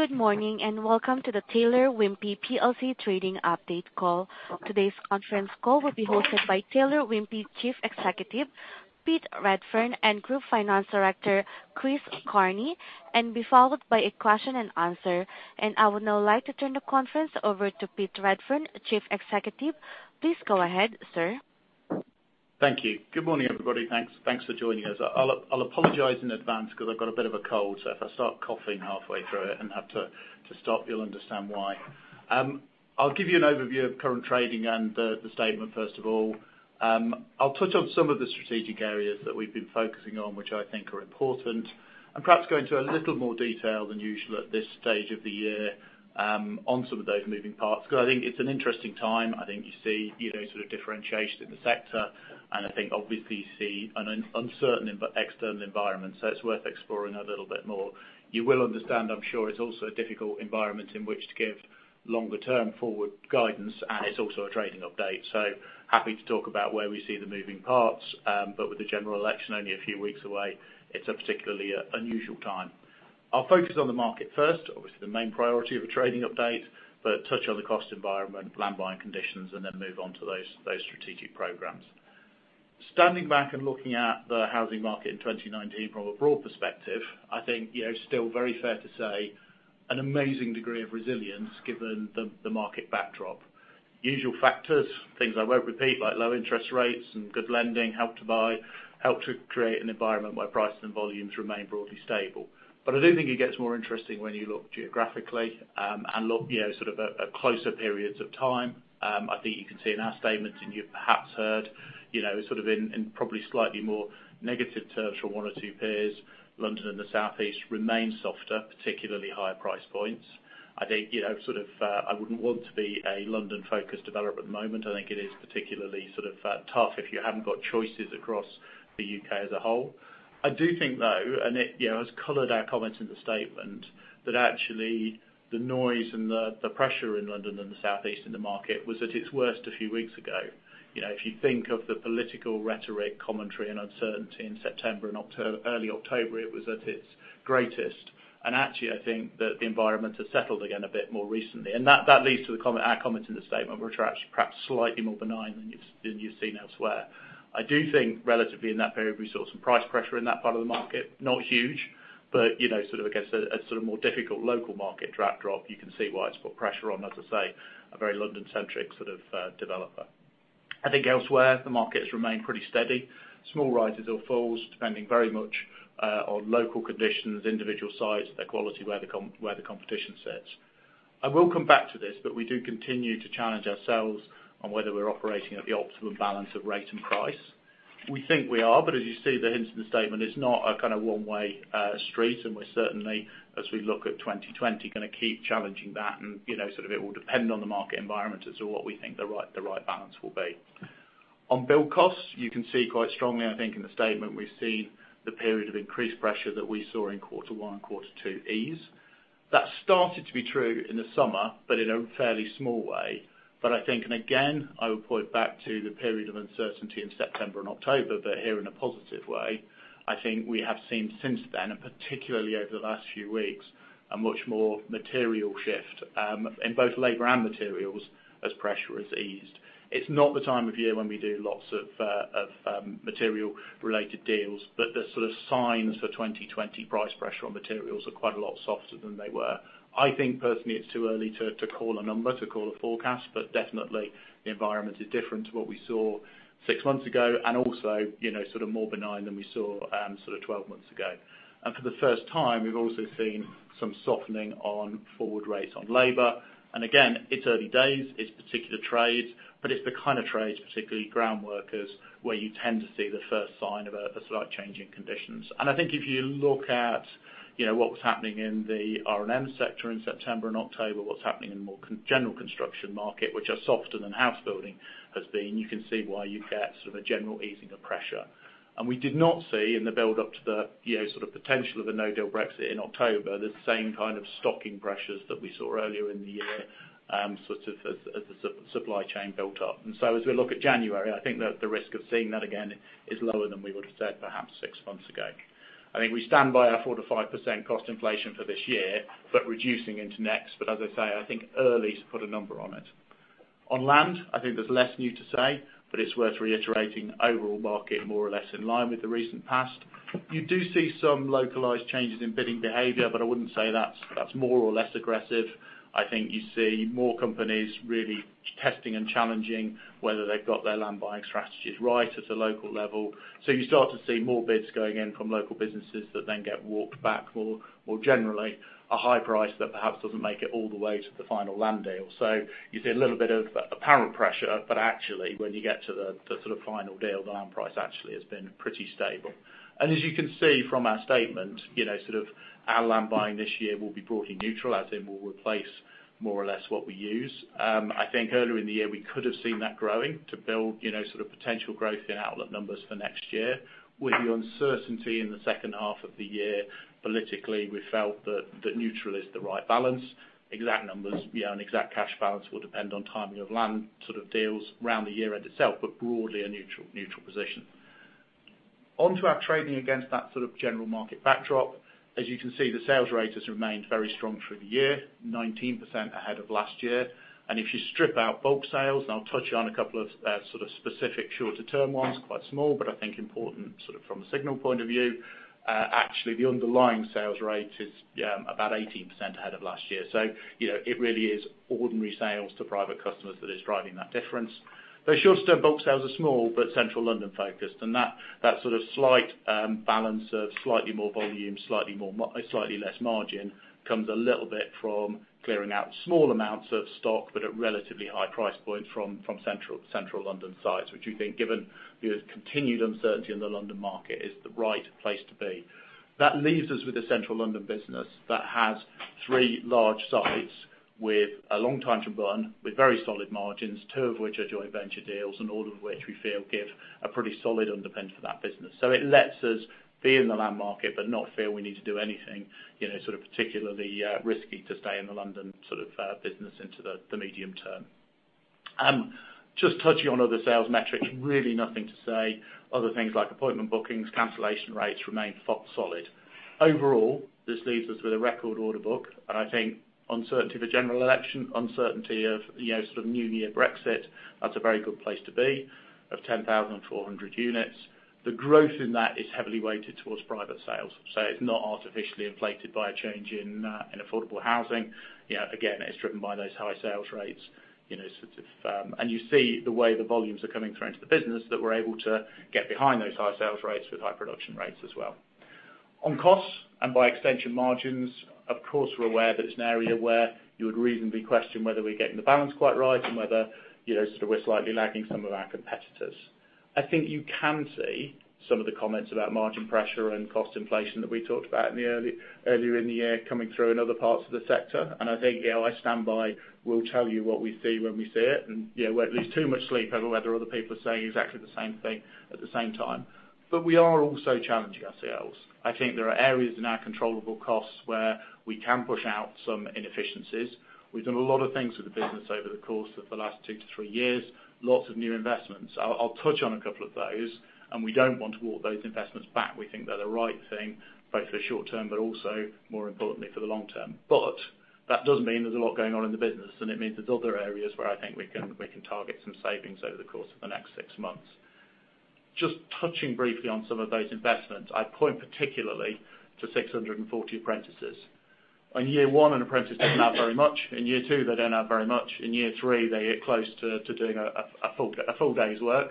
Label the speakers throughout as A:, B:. A: Good morning, and welcome to the Taylor Wimpey PLC trading update call. Today's conference call will be hosted by Taylor Wimpey Chief Executive, Pete Redfern, and Group Finance Director, Chris Carney, and be followed by a question and answer. I would now like to turn the conference over to Pete Redfern, Chief Executive. Please go ahead, sir.
B: Thank you. Good morning, everybody. Thanks for joining us. I'll apologize in advance because I've got a bit of a cold, so if I start coughing halfway through it and have to stop, you'll understand why. I'll give you an overview of current trading and the statement, first of all. I'll touch on some of the strategic areas that we've been focusing on, which I think are important, and perhaps go into a little more detail than usual at this stage of the year on some of those moving parts, because I think it's an interesting time. I think you see differentiation in the sector, and I think obviously you see an uncertain external environment, so it's worth exploring a little bit more. You will understand, I'm sure, it's also a difficult environment in which to give longer term forward guidance, and it's also a trading update. Happy to talk about where we see the moving parts. With the general election only a few weeks away, it's a particularly unusual time. I'll focus on the market first, obviously the main priority of a trading update, but touch on the cost environment, land buying conditions, and then move on to those strategic programs. Standing back and looking at the housing market in 2019 from a broad perspective, I think it's still very fair to say, an amazing degree of resilience given the market backdrop. Usual factors, things I won't repeat, like low interest rates and good lending, Help to Buy, help to create an environment where prices and volumes remain broadly stable. I do think it gets more interesting when you look geographically and look at closer periods of time. I think you can see in our statement, and you perhaps heard in probably slightly more negative terms from one or two peers, London and the Southeast remain softer, particularly higher price points. I wouldn't want to be a London focused developer at the moment. I think it is particularly tough if you haven't got choices across the U.K. as a whole. I do think, though, and it has colored our comments in the statement, that actually the noise and the pressure in London and the Southeast in the market was at its worst a few weeks ago. If you think of the political rhetoric, commentary, and uncertainty in September and early October, it was at its greatest. Actually, I think that the environment has settled again a bit more recently. That leads to our comments in the statement, which are actually perhaps slightly more benign than you've seen elsewhere. I do think relatively in that period, we saw some price pressure in that part of the market. Not huge, but against a more difficult local market backdrop, you can see why it's put pressure on, as I say, a very London-centric developer. I think elsewhere, the markets remain pretty steady. Small rises or falls, depending very much on local conditions, individual size, their quality, where the competition sits. I will come back to this, we do continue to challenge ourselves on whether we're operating at the optimum balance of rate and price. We think we are, but as you see the hints in the statement, it's not a one-way street, and we're certainly, as we look at 2020, going to keep challenging that and it will depend on the market environment as to what we think the right balance will be. On build costs, you can see quite strongly, I think, in the statement, we've seen the period of increased pressure that we saw in quarter one and quarter two ease. That started to be true in the summer, but in a fairly small way. I think, and again, I would point back to the period of uncertainty in September and October, but here in a positive way. I think we have seen since then, and particularly over the last few weeks, a much more material shift in both labor and materials as pressure has eased. It's not the time of year when we do lots of material related deals, but the signs for 2020 price pressure on materials are quite a lot softer than they were. I think personally it's too early to call a number, to call a forecast, but definitely the environment is different to what we saw six months ago and also more benign than we saw 12 months ago. For the first time, we've also seen some softening on forward rates on labor. Again, it's early days, it's particular trades, but it's the kind of trades, particularly ground workers, where you tend to see the first sign of a slight change in conditions. I think if you look at what was happening in the R&M sector in September and October, what's happening in the more general construction market, which are softer than house building has been, you can see why you get a general easing of pressure. We did not see in the build up to the potential of a no-deal Brexit in October, the same kind of stocking pressures that we saw earlier in the year as the supply chain built up. So as we look at January, I think that the risk of seeing that again is lower than we would have said perhaps six months ago. I think we stand by our 4%-5% cost inflation for this year, but reducing into next. As I say, I think early to put a number on it. On land, I think there's less new to say, but it's worth reiterating the overall market more or less in line with the recent past. You do see some localized changes in bidding behavior, but I wouldn't say that's more or less aggressive. I think you see more companies really testing and challenging whether they've got their land buying strategies right at a local level. You start to see more bids going in from local businesses that then get walked back more generally, a high price that perhaps doesn't make it all the way to the final land deal. You see a little bit of apparent pressure, but actually, when you get to the final deal, the land price actually has been pretty stable. As you can see from our statement, our land buying this year will be broadly neutral, as in we'll replace more or less what we use. I think earlier in the year, we could have seen that growing to build potential growth in outlet numbers for next year. With the uncertainty in the second half of the year, politically, we felt that neutral is the right balance. Exact numbers and exact cash balance will depend on timing of land deals around the year end itself, but broadly a neutral position. On to our trading against that general market backdrop. As you can see, the sales rate has remained very strong through the year, 19% ahead of last year. If you strip out bulk sales, I'll touch on a couple of specific shorter term ones, quite small, but I think important from a signal point of view. Actually, the underlying sales rate is about 18% ahead of last year. It really is ordinary sales to private customers that is driving that difference. Those shorter bulk sales are small, but Central London focused, and that slight balance of slightly more volume, slightly less margin comes a little bit from clearing out small amounts of stock, but at relatively high price points from Central London sites, which we think given the continued uncertainty in the London market, is the right place to be. That leaves us with the Central London business that has three large sites with a long time to run, with very solid margins, two of which are joint venture deals, and all of which we feel give a pretty solid underpin for that business. It lets us be in the land market, but not feel we need to do anything particularly risky to stay in the London business into the medium term. Just touching on other sales metrics, really nothing to say. Other things like appointment bookings, cancellation rates remain solid. Overall, this leaves us with a record order book, and I think uncertainty, the general election, uncertainty of new year Brexit, that's a very good place to be of 10,400 units. The growth in that is heavily weighted towards private sales. It's not artificially inflated by a change in affordable housing. Again, it's driven by those high sales rates, and you see the way the volumes are coming through into the business that we're able to get behind those high sales rates with high production rates as well. On costs and by extension margins, of course, we're aware that it's an area where you would reasonably question whether we're getting the balance quite right and whether we're slightly lagging some of our competitors. I think you can see some of the comments about margin pressure and cost inflation that we talked about earlier in the year coming through in other parts of the sector. I think I stand by, we'll tell you what we see when we see it, and we won't lose too much sleep over whether other people are saying exactly the same thing at the same time. We are also challenging ourselves. I think there are areas in our controllable costs where we can push out some inefficiencies. We've done a lot of things with the business over the course of the last two to three years, lots of new investments. I'll touch on a couple of those. We don't want to walk those investments back. We think they're the right thing, both for the short term, but also more importantly for the long term. That does mean there's a lot going on in the business, and it means there's other areas where I think we can target some savings over the course of the next six months. Just touching briefly on some of those investments. I point particularly to 640 apprentices. In year one, an apprentice doesn't know very much. In year two, they don't know very much. In year three, they get close to doing a full day's work.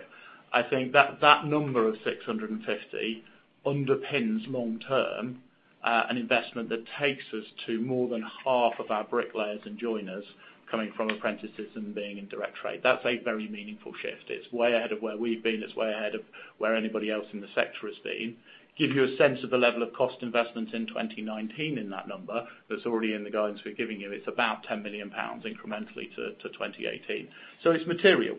B: I think that number of 650 underpins long-term, an investment that takes us to more than half of our bricklayers and joiners coming from apprentices and being in direct trade. That's a very meaningful shift. It's way ahead of where we've been. It's way ahead of where anybody else in the sector has been. Give you a sense of the level of cost investments in 2019 in that number that's already in the guidance we're giving you. It's about 10 million pounds incrementally to 2018. It's material.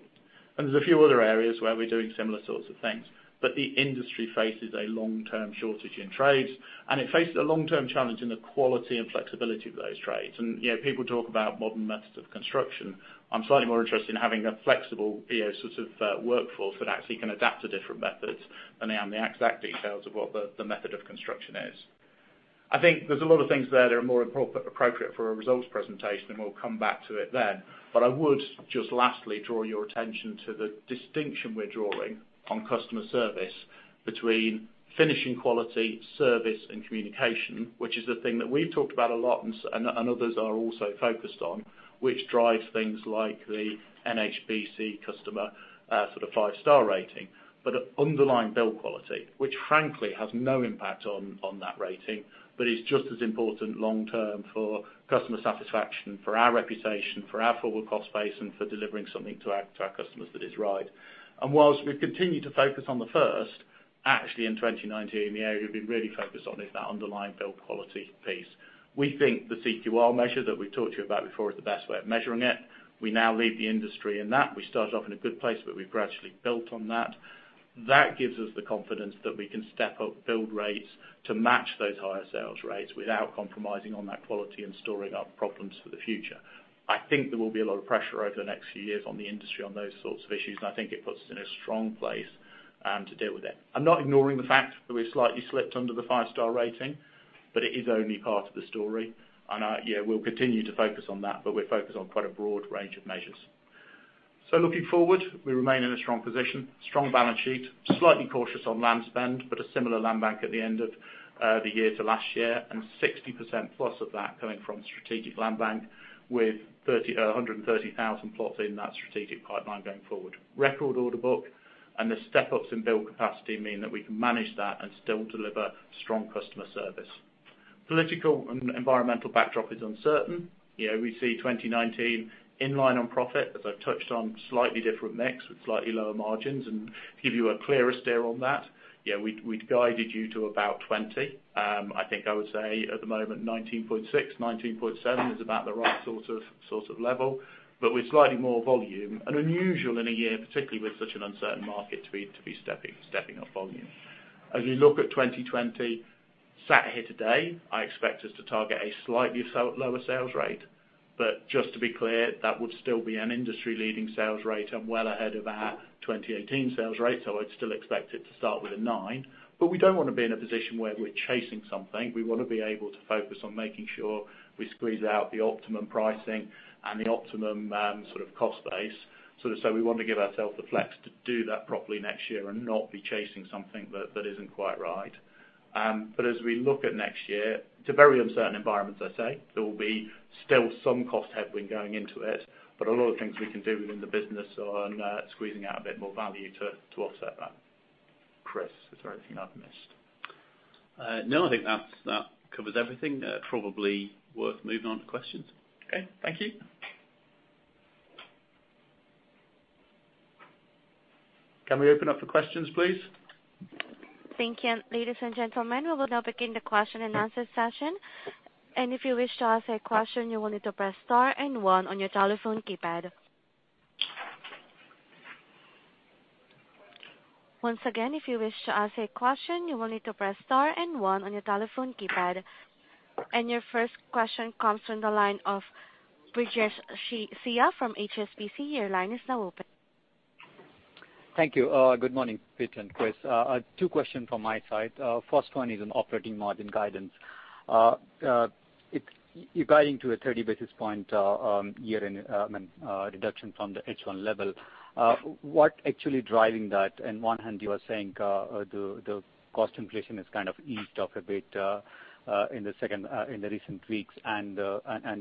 B: There's a few other areas where we're doing similar sorts of things, but the industry faces a long-term shortage in trades, and it faces a long-term challenge in the quality and flexibility of those trades. People talk about modern methods of construction. I'm slightly more interested in having a flexible workforce that actually can adapt to different methods than I am the exact details of what the method of construction is. I think there's a lot of things there that are more appropriate for a results presentation, and we'll come back to it then. I would just lastly draw your attention to the distinction we're drawing on customer service between finishing quality, service and communication, which is the thing that we've talked about a lot and others are also focused on, which drives things like the NHBC customer five-star rating, but underlying build quality, which frankly has no impact on that rating, but is just as important long-term for customer satisfaction, for our reputation, for our forward cost base, and for delivering something to our customers that is right. Whilst we've continued to focus on the first, actually in 2019, the area we've been really focused on is that underlying build quality piece. We think the CQR measure that we've talked to you about before is the best way of measuring it. We now lead the industry in that. We started off in a good place, but we've gradually built on that. That gives us the confidence that we can step up build rates to match those higher sales rates without compromising on that quality and storing up problems for the future. I think there will be a lot of pressure over the next few years on the industry on those sorts of issues, and I think it puts us in a strong place to deal with it. I'm not ignoring the fact that we've slightly slipped under the five-star rating, but it is only part of the story. We'll continue to focus on that, but we're focused on quite a broad range of measures. Looking forward, we remain in a strong position, strong balance sheet, slightly cautious on land spend, but a similar land bank at the end of the year to last year, and 60%+ of that coming from strategic land bank with 130,000 plots in that strategic pipeline going forward. Record order book and the step-ups in build capacity mean that we can manage that and still deliver strong customer service. Political and environmental backdrop is uncertain. We see 2019 in line on profit, as I've touched on slightly different mix with slightly lower margins and give you a clearer steer on that. We'd guided you to about 20. I think I would say at the moment 19.6, 19.7 is about the right sort of level, but with slightly more volume and unusual in a year, particularly with such an uncertain market to be stepping up volume. As we look at 2020 here today, I expect us to target a slightly lower sales rate. Just to be clear, that would still be an industry-leading sales rate. I'm well ahead of our 2018 sales rate, so I'd still expect it to start with a nine. We don't want to be in a position where we're chasing something. We want to be able to focus on making sure we squeeze out the optimum pricing and the optimum cost base. We want to give ourselves the flex to do that properly next year and not be chasing something that isn't quite right. As we look at next year, it's a very uncertain environment, I say. There will be still some cost headwind going into it, but a lot of things we can do within the business on squeezing out a bit more value to offset that. Chris, is there anything I've missed?
C: No, I think that covers everything. Probably worth moving on to questions.
B: Okay. Thank you. Can we open up the questions, please?
A: Thank you. Ladies and gentlemen, we will now begin the question and answer session. If you wish to ask a question, you will need to press star and one on your telephone keypad. Once again, if you wish to ask a question, you will need to press star and one on your telephone keypad. Your first question comes from the line of Brijesh Siya from HSBC. Your line is now open.
D: Thank you. Good morning, Pete and Chris. Two questions from my side. First one is on operating margin guidance. You're guiding to a 30 basis point year reduction from the H1 level. What actually driving that? On one hand, you are saying the cost inflation has kind of eased off a bit in the recent weeks, and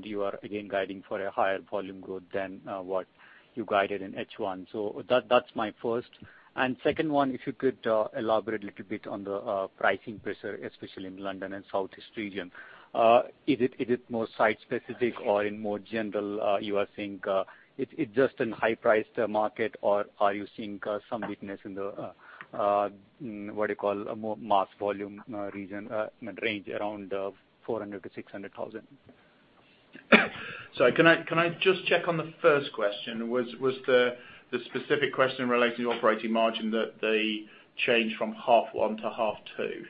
D: you are again guiding for a higher volume growth than what you guided in H1. That's my first. Second one, if you could elaborate a little bit on the pricing pressure, especially in London and Southeast region. Is it more site-specific or in more general, you are seeing it's just in high-priced market or are you seeing some weakness in the, what do you call, more mass volume range around 400,000-600,000?
B: Sorry. Can I just check on the first question? Was the specific question relating to operating margin that the change from half one to half two?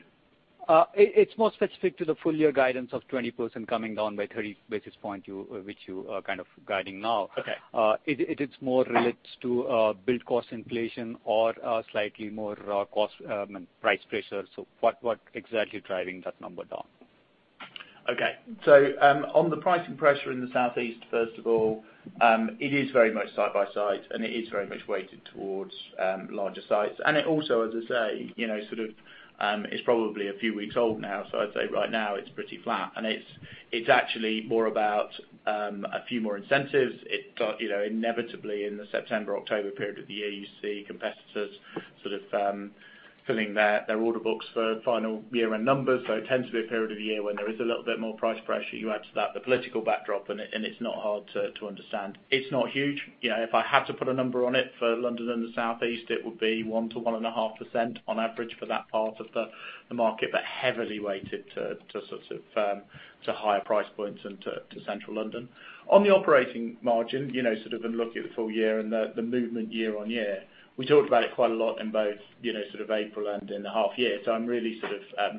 D: It's more specific to the full year guidance of 20% coming down by 30 basis points, which you are kind of guiding now.
B: Okay.
D: It is more related to build cost inflation or slightly more price pressure. What exactly driving that number down?
B: Okay. On the pricing pressure in the Southeast, first of all, it is very much site by site, and it is very much weighted towards larger sites. It also, as I say, is probably a few weeks old now. I'd say right now it's pretty flat. It's actually more about a few more incentives. Inevitably, in the September, October period of the year, you see competitors filling their order books for final year-end numbers. It tends to be a period of the year when there is a little bit more price pressure. You add to that the political backdrop, it's not hard to understand. It's not huge. If I had to put a number on it for London and the Southeast, it would be 1%-1.5% on average for that part of the market, but heavily weighted to higher price points and to Central London. On the operating margin, and looking at the full year and the movement year-over-year, we talked about it quite a lot in both April and in the half year. I'm really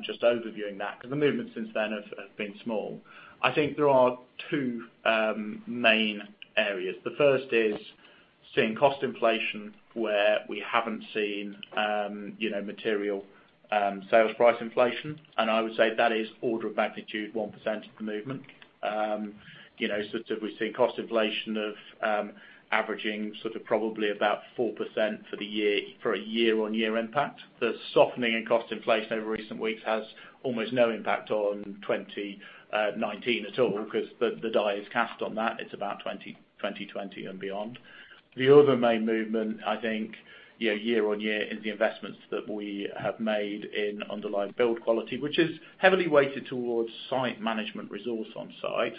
B: just overviewing that because the movement since then have been small. I think there are two main areas. The first is seeing cost inflation where we haven't seen material sales price inflation, and I would say that is order of magnitude 1% of the movement. We've seen cost inflation of averaging probably about 4% for a year-over-year impact. The softening in cost inflation over recent weeks has almost no impact on 2019 at all because the die is cast on that. It's about 2020 and beyond. The other main movement, I think year-over-year is the investments that we have made in underlying build quality, which is heavily weighted towards site management resource on site,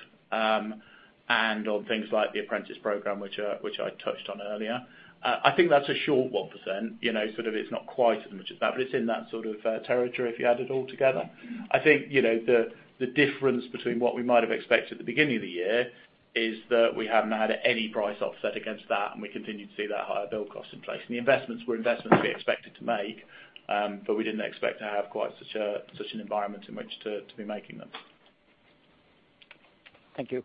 B: and on things like the apprentice program, which I touched on earlier. I think that's a short 1%. It's not quite as much as that, but it's in that sort of territory if you add it all together. I think the difference between what we might have expected at the beginning of the year is that we haven't had any price offset against that, and we continue to see that higher build cost in place. The investments were investments we expected to make, but we didn't expect to have quite such an environment in which to be making them.
D: Thank you.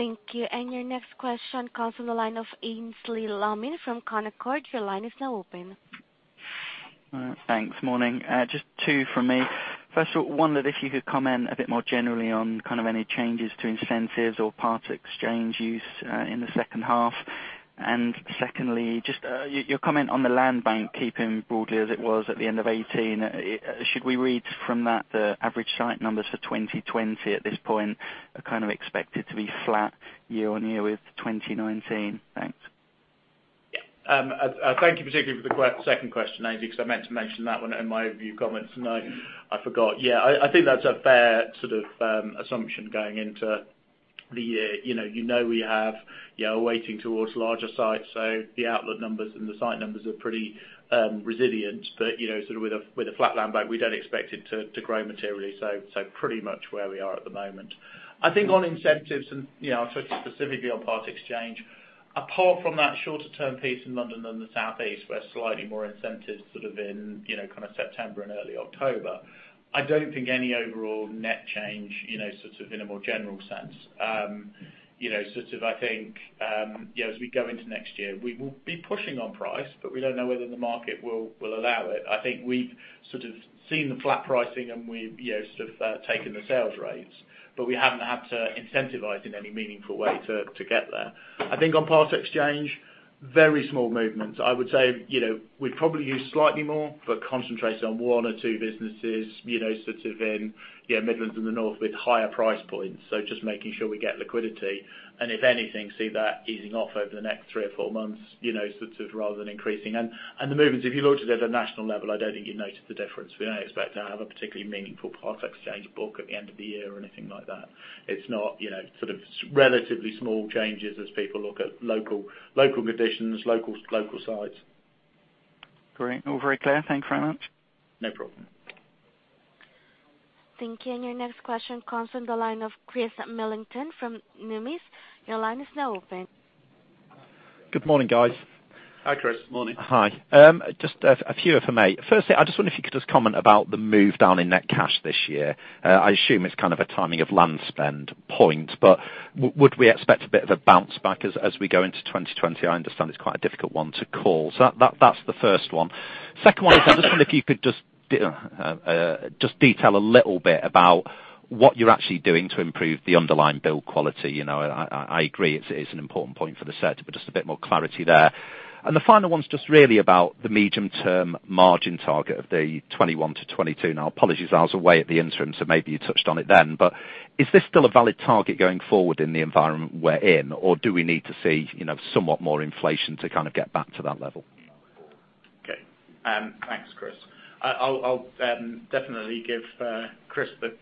A: Thank you. Your next question comes from the line of Aynsley Lammin from Canaccord. Your line is now open.
E: Thanks. Morning. Just two from me. First of all, wondered if you could comment a bit more generally on kind of any changes to incentives or part exchange use in the second half. Secondly, just your comment on the land bank keeping broadly as it was at the end of 2018. Should we read from that the average site numbers for 2020 at this point are kind of expected to be flat year-on-year with 2019? Thanks.
B: Yeah. Thank you particularly for the second question, Aynsley, because I meant to mention that one in my overview comments and I forgot. Yeah, I think that's a fair assumption going into. You know we are weighting towards larger sites, so the outlet numbers and the site numbers are pretty resilient. With a flat land bank, we don't expect it to grow materially. Pretty much where we are at the moment. I think on incentives, and I'll touch specifically on part exchange. Apart from that shorter term piece in London and the Southeast, we're slightly more incentives sort of in September and early October. I don't think any overall net change, sort of in a more general sense. I think, as we go into next year, we will be pushing on price, but we don't know whether the market will allow it. I think we've sort of seen the flat pricing and we've taken the sales rates, but we haven't had to incentivize in any meaningful way to get there. I think on part exchange, very small movements. I would say, we'd probably use slightly more, but concentrated on one or two businesses sort of in Midlands and the North with higher price points. Just making sure we get liquidity, and if anything, see that easing off over the next three or four months, sort of rather than increasing. The movements, if you looked at it at a national level, I don't think you'd notice the difference. We don't expect to have a particularly meaningful part exchange book at the end of the year or anything like that. It's relatively small changes as people look at local conditions, local sites.
E: Great. All very clear. Thank you very much.
B: No problem.
A: Thank you. Your next question comes from the line of Chris Millington from Numis. Your line is now open.
F: Good morning, guys.
B: Hi, Chris. Morning.
F: Hi. Just a few if I may. Firstly, I just wonder if you could just comment about the move down in net cash this year. I assume it's kind of a timing of land spend point, but would we expect a bit of a bounce back as we go into 2020? I understand it's quite a difficult one to call. That's the first one. Second one is I just wonder if you could just detail a little bit about what you're actually doing to improve the underlying build quality. I agree it's an important point for the sector, but just a bit more clarity there. The final one is just really about the medium-term margin target of the 2021 to 2022. Apologies, I was away at the interim, so maybe you touched on it then. Is this still a valid target going forward in the environment we're in, or do we need to see somewhat more inflation to kind of get back to that level?
B: Okay. Thanks, Chris. I'll definitely give Chris the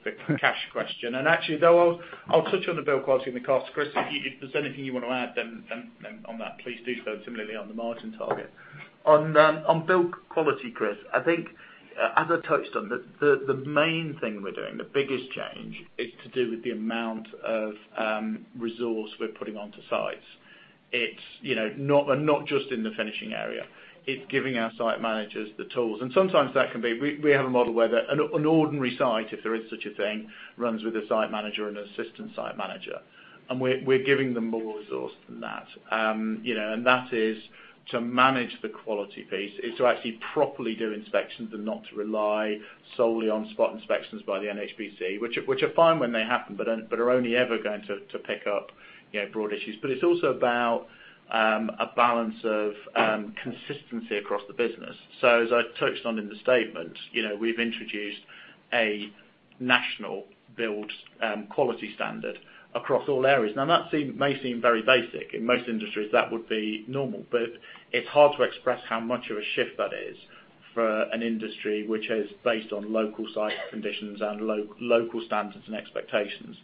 B: cash question. Actually, though, I'll touch on the build quality and the cost. Chris, if there's anything you want to add then on that, please do so similarly on the margin target. On build quality, Chris, I think, as I touched on, the main thing we're doing, the biggest change is to do with the amount of resource we're putting onto sites. It's not just in the finishing area. It's giving our site managers the tools. Sometimes that can be. We have a model where an ordinary site, if there is such a thing, runs with a site manager and assistant site manager. We're giving them more resource than that. That is to manage the quality piece, is to actually properly do inspections and not to rely solely on spot inspections by the NHBC. Which are fine when they happen, but are only ever going to pick up broad issues. It's also about a balance of consistency across the business. As I touched on in the statement, we've introduced a national build quality standard across all areas. That may seem very basic. In most industries, that would be normal. It's hard to express how much of a shift that is for an industry which is based on local site conditions and local standards and expectations.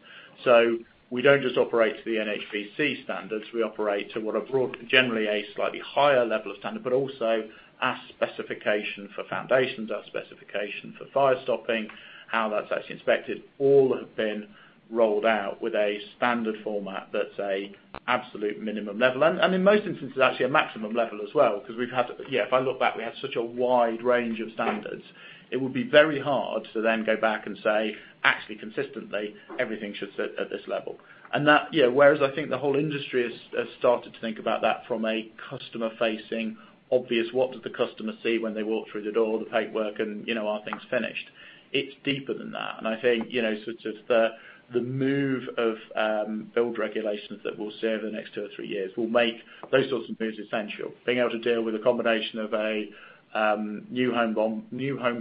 B: We don't just operate to the NHBC standards. We operate to what are broad, generally a slightly higher level of standard, but also our specification for foundations, our specification for fire stopping, how that's actually inspected, all have been rolled out with a standard format that's a absolute minimum level. In most instances, actually a maximum level as well. If I look back, we have such a wide range of standards. It would be very hard to then go back and say, "Actually, consistently, everything should sit at this level." Whereas I think the whole industry has started to think about that from a customer-facing obvious, what does the customer see when they walk through the door, the paintwork and are things finished? It's deeper than that. I think, sort of the move of build regulations that we'll see over the next two or three years will make those sorts of moves essential. Being able to deal with a combination of a New Homes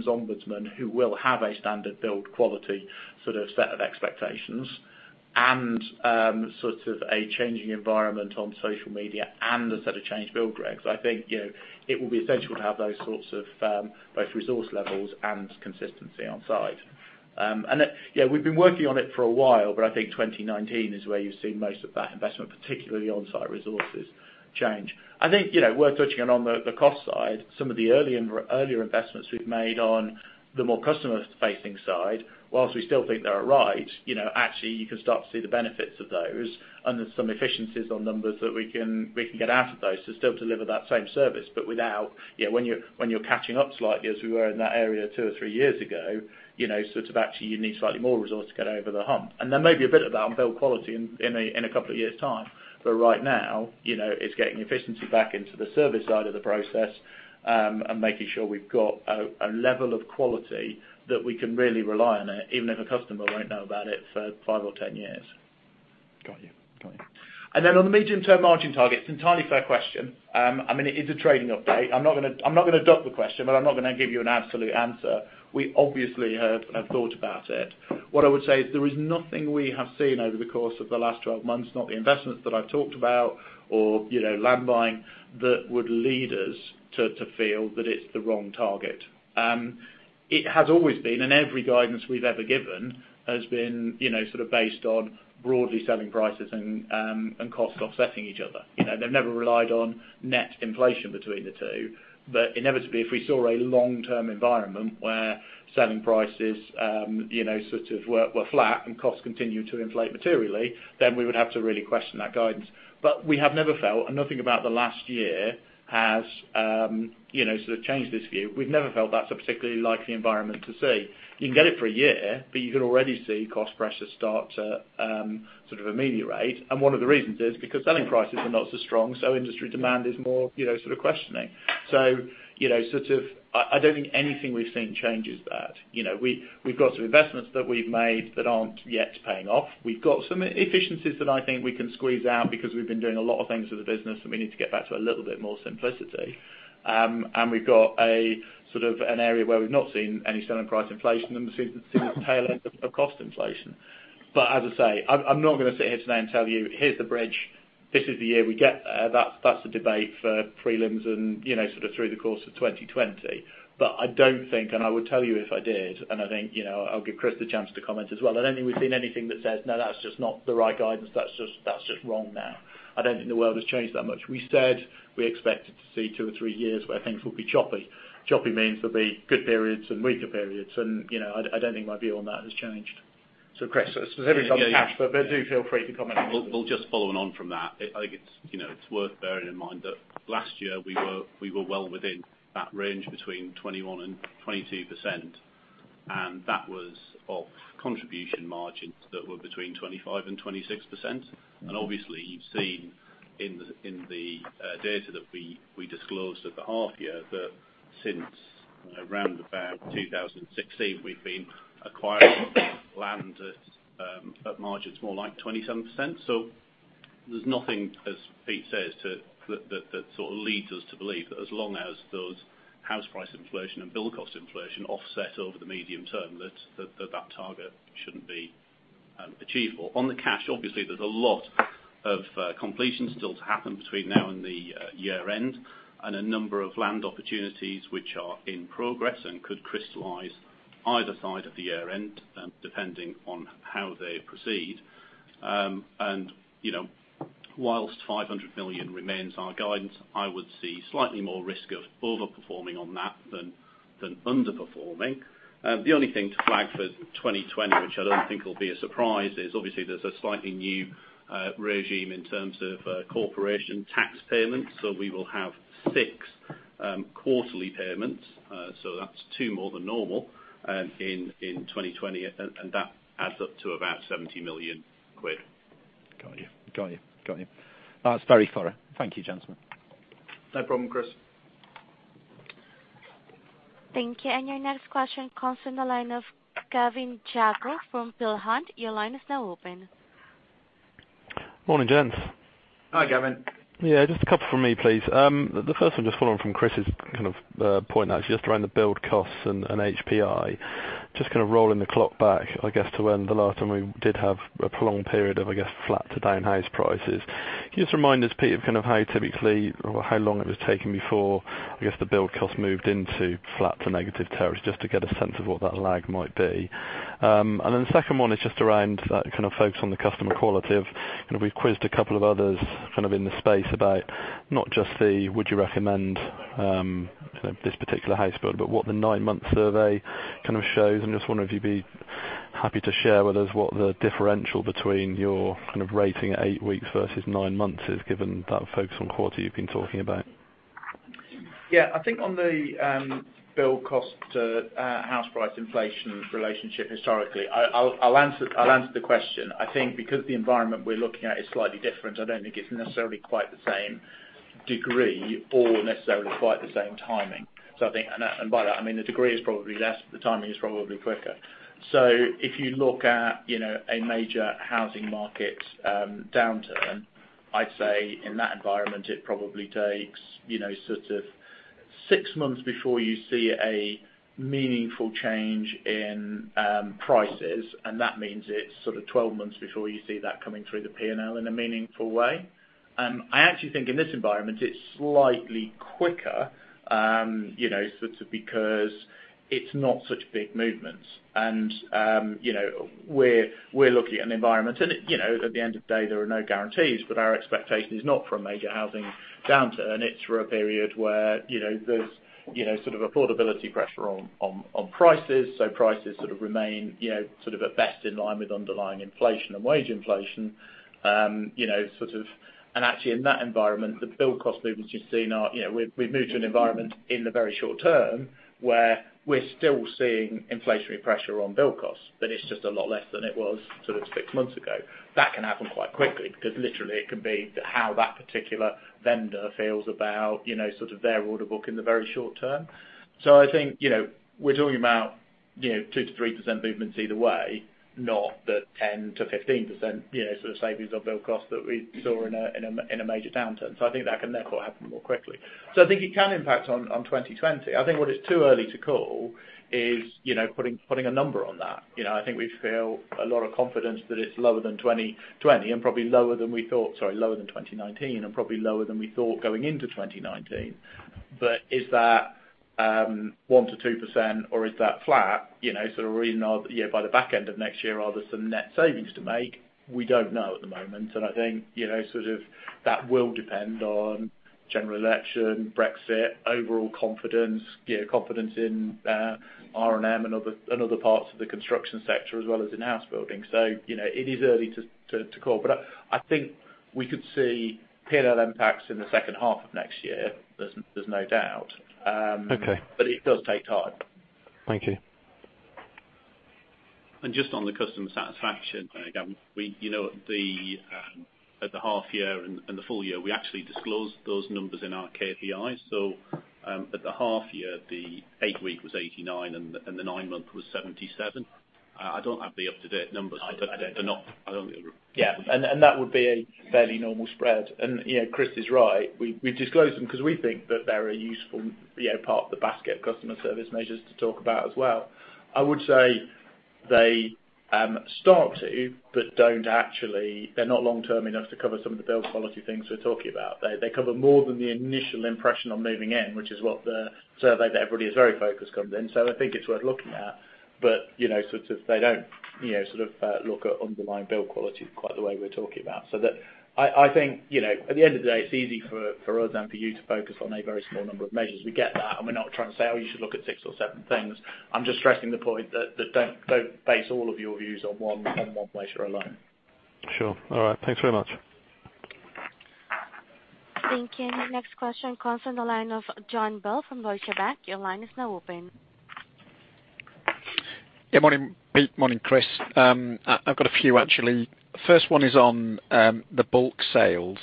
B: Ombudsman who will have a standard build quality sort of set of expectations and sort of a changing environment on social media and the set of changed build regs. I think it will be essential to have those sorts of both resource levels and consistency on site. We've been working on it for a while, but I think 2019 is where you've seen most of that investment, particularly on-site resources change. I think, worth touching on the cost side, some of the earlier investments we've made on the more customer-facing side, whilst we still think they are right, actually you can start to see the benefits of those and there's some efficiencies on numbers that we can get out of those to still deliver that same service. When you're catching up slightly, as we were in that area two or three years ago, sort of actually you need slightly more resource to get over the hump. There may be a bit of that on build quality in a couple of years' time. Right now, it's getting efficiency back into the service side of the process, and making sure we've got a level of quality that we can really rely on it, even if a customer won't know about it for five or 10 years.
F: Got you.
B: On the medium-term margin target, it's an entirely fair question. It is a trading update. I'm not going to duck the question, but I'm not going to give you an absolute answer. We obviously have thought about it. What I would say is there is nothing we have seen over the course of the last 12 months, not the investments that I've talked about, or land buying, that would lead us to feel that it's the wrong target. It has always been, in every guidance we've ever given, has been based on broadly selling prices and cost offsetting each other. They've never relied on net inflation between the two. Inevitably, if we saw a long-term environment where selling prices were flat and costs continued to inflate materially, then we would have to really question that guidance. We have never felt, and nothing about the last year has changed this view. We've never felt that's a particularly likely environment to see. You can get it for a year, but you can already see cost pressures start to ameliorate. One of the reasons is because selling prices are not so strong, so industry demand is more questioning. I don't think anything we've seen changes that. We've got some investments that we've made that aren't yet paying off. We've got some efficiencies that I think we can squeeze out because we've been doing a lot of things with the business, and we need to get back to a little bit more simplicity. We've got an area where we've not seen any selling price inflation and we've seen the tail end of cost inflation. As I say, I'm not going to sit here today and tell you, "Here's the bridge. This is the year we get there." That's a debate for prelims and through the course of 2020. I don't think, and I would tell you if I did, and I think I'll give Chris the chance to comment as well. I don't think we've seen anything that says, "No, that's just not the right guidance. That's just wrong now." I don't think the world has changed that much. We said we expected to see two or three years where things will be choppy. Choppy means there'll be good periods and weaker periods, and I don't think my view on that has changed. Chris, specifically on cash, but do feel free to comment.
C: Well, just following on from that, I think it's worth bearing in mind that last year we were well within that range between 21% and 22%, and that was off contribution margins that were between 25% and 26%. Obviously, you've seen in the data that we disclosed at the half year that since around about 2016, we've been acquiring land at margins more like 27%. There's nothing, as Pete says, that leads us to believe, as long as those house price inflation and build cost inflation offset over the medium term, that target shouldn't be achievable. On the cash, obviously, there's a lot of completions still to happen between now and the year-end, and a number of land opportunities which are in progress and could crystallize either side of the year-end, depending on how they proceed. Whilst 500 million remains our guidance, I would see slightly more risk of over-performing on that than under-performing. The only thing to flag for 2020, which I don't think will be a surprise, is obviously there's a slightly new regime in terms of corporation tax payments. We will have six quarterly payments, so that's two more than normal, in 2020. That adds up to about 70 million quid.
F: Got you. That's very thorough. Thank you, gentlemen.
C: No problem, Chris.
A: Thank you. Your next question comes from the line of Gavin Jago from Peel Hunt. Your line is now open.
G: Morning, gents.
B: Hi, Gavin.
G: Yeah, just a couple from me, please. The first one, just following from Chris' point, actually, just around the build costs and HPI. Just rolling the clock back, I guess, to when the last time we did have a prolonged period of flat to down house prices. Can you just remind us, Pete, of how typically or how long it was taking before the build cost moved into flat to negative territory, just to get a sense of what that lag might be? Then the second one is just around that focus on the customer quality. We've quizzed a couple of others in the space about not just the would you recommend this particular house build? But what the nine-month survey shows. I'm just wondering if you'd be happy to share with us what the differential between your rating at eight weeks versus nine months is, given that focus on quality you've been talking about.
B: Yeah. I think on the build cost to house price inflation relationship historically, I'll answer the question. I think because the environment we're looking at is slightly different, I don't think it's necessarily quite the same degree or necessarily quite the same timing. By that, I mean the degree is probably less, but the timing is probably quicker. If you look at a major housing market downturn, I'd say in that environment, it probably takes six months before you see a meaningful change in prices. That means it's 12 months before you see that coming through the P&L in a meaningful way. I actually think in this environment, it's slightly quicker because it's not such big movements. We're looking at an environment, and at the end of the day, there are no guarantees, but our expectation is not for a major housing downturn. It's for a period where there's affordability pressure on prices. Prices remain at best in line with underlying inflation and wage inflation. Actually, in that environment, the build cost movements you've seen are we've moved to an environment in the very short term where we're still seeing inflationary pressure on build costs, but it's just a lot less than it was six months ago. That can happen quite quickly because literally it can be how that particular vendor feels about their order book in the very short term. I think we're talking about 2%-3% movements either way, not the 10%-15% sort of savings of build cost that we saw in a major downturn. I think that can therefore happen more quickly. I think it can impact on 2020. I think what is too early to call is putting a number on that. I think we feel a lot of confidence that it's lower than 2020 and probably lower than we thought-- Sorry, lower than 2019 and probably lower than we thought going into 2019. Is that 1%-2% or is that flat? Sort of reason by the back end of next year are there some net savings to make? We don't know at the moment. I think sort of that will depend on general election, Brexit, overall confidence in R&M and other parts of the construction sector, as well as in house building. It is early to call, but I think we could see P&L impacts in the second half of next year. There's no doubt.
G: Okay.
B: It does take time.
G: Thank you.
B: Just on the customer satisfaction, Gavin, at the half year and the full year, we actually disclosed those numbers in our KPIs. At the half year, the eight-week was 89 and the nine-month was 77. I don't have the up-to-date numbers.
G: I don't.
B: They're not. Yeah. That would be a fairly normal spread. Chris is right. We disclose them because we think that they're a useful part of the basket of customer service measures to talk about as well. I would say they start to, but they're not long-term enough to cover some of the build quality things we're talking about. They cover more than the initial impression on moving in, which is what the survey that everybody is very focused comes in. I think it's worth looking at. They don't look at underlying build quality quite the way we're talking about. That I think, at the end of the day, it's easy for us and for you to focus on a very small number of measures. We get that, and we're not trying to say, "Oh, you should look at six or seven things." I'm just stressing the point that don't base all of your views on one measure alone.
G: Sure. All right. Thanks very much.
A: Thank you. Next question comes on the line of John Bell from Deutsche Bank. Your line is now open.
H: Yeah, morning, Pete. Morning, Chris. I've got a few, actually. First one is on the bulk sales.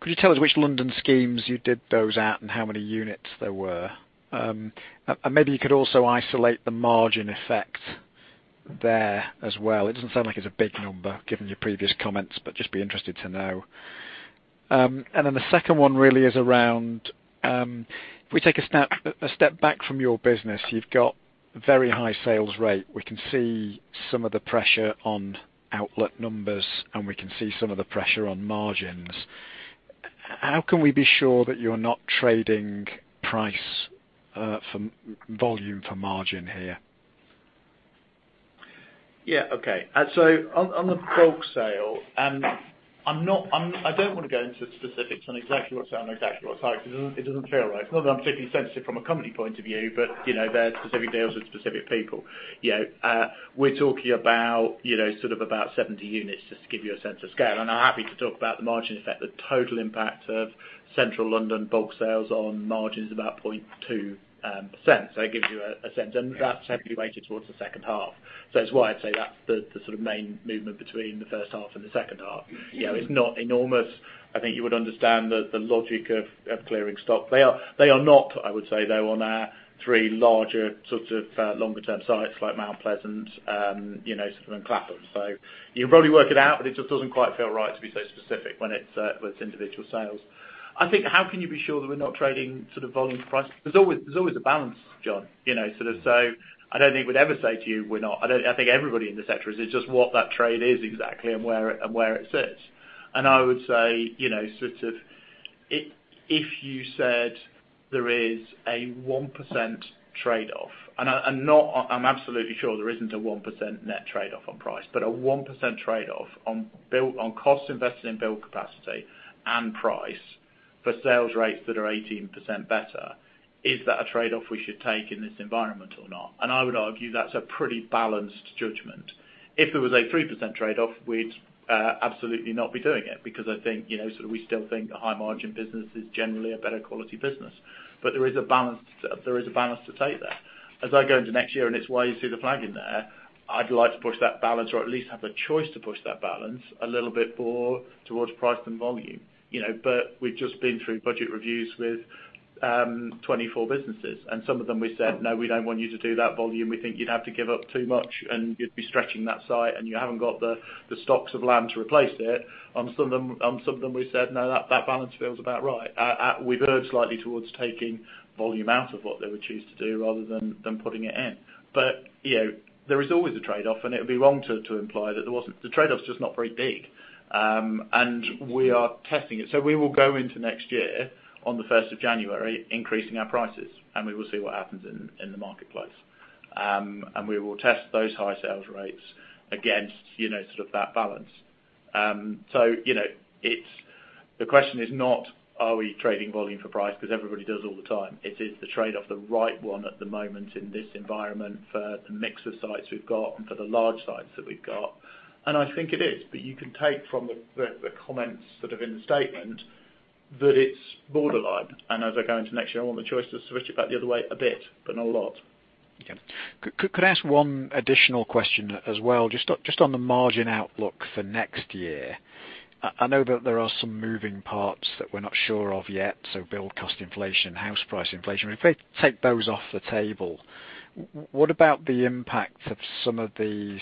H: Could you tell us which London schemes you did those at and how many units there were? And maybe you could also isolate the margin effect there as well. It doesn't sound like it's a big number, given your previous comments, but just be interested to know. The second one really is around, if we take a step back from your business, you've got very high sales rate. We can see some of the pressure on outlet numbers, and we can see some of the pressure on margins. How can we be sure that you're not trading price for volume for margin here?
B: Yeah. Okay. On the bulk sale, I don't want to go into specifics on exactly what site because it doesn't feel right. Not that I'm particularly sensitive from a company point of view, they're specific deals with specific people. We're talking about 70 units, just to give you a sense of scale. I'm happy to talk about the margin effect. The total impact of central London bulk sales on margin is about 0.2%. It gives you a sense, and that's heavily weighted towards the second half. It's why I'd say that's the main movement between the first half and the second half. It's not enormous. I think you would understand the logic of clearing stock. They are not, I would say, though, on our three larger longer-term sites like Mount Pleasant and Clapham. You can probably work it out, but it just doesn't quite feel right to be so specific when it's individual sales. I think how can you be sure that we're not trading sort of volume for price? There's always a balance, John. I don't think we'd ever say to you I think everybody in the sector is. It's just what that trade is exactly and where it sits. I would say, if you said there is a 1% trade-off, and I'm absolutely sure there isn't a 1% net trade-off on price, but a 1% trade-off on cost invested in build capacity and price for sales rates that are 18% better, is that a trade-off we should take in this environment or not? I would argue that's a pretty balanced judgment. If it was a 3% trade-off, we'd absolutely not be doing it, because I think, sort of we still think a high margin business is generally a better quality business. There is a balance to take there. As I go into next year, it's why you see the flagging there, I'd like to push that balance or at least have the choice to push that balance a little bit more towards price than volume. We've just been through budget reviews with 24 businesses, and some of them we said, "No, we don't want you to do that volume. We think you'd have to give up too much, and you'd be stretching that site, and you haven't got the stocks of land to replace it. On some of them, we said, "No, that balance feels about right." We've erred slightly towards taking volume out of what they would choose to do rather than putting it in. There is always a trade-off, and it would be wrong to imply that there wasn't. The trade-off's just not very big. We are testing it. We will go into next year on the 1st of January increasing our prices, and we will see what happens in the marketplace. We will test those high sales rates against sort of that balance. The question is not are we trading volume for price because everybody does all the time. It is the trade-off the right one at the moment in this environment for the mix of sites we've got and for the large sites that we've got. I think it is, but you can take from the comments that are in the statement that it's borderline. As I go into next year, I want the choice to switch it back the other way a bit, but not a lot.
H: Okay. Could I ask one additional question as well, just on the margin outlook for next year. I know that there are some moving parts that we're not sure of yet, so build cost inflation, house price inflation. If we take those off the table, what about the impact of some of these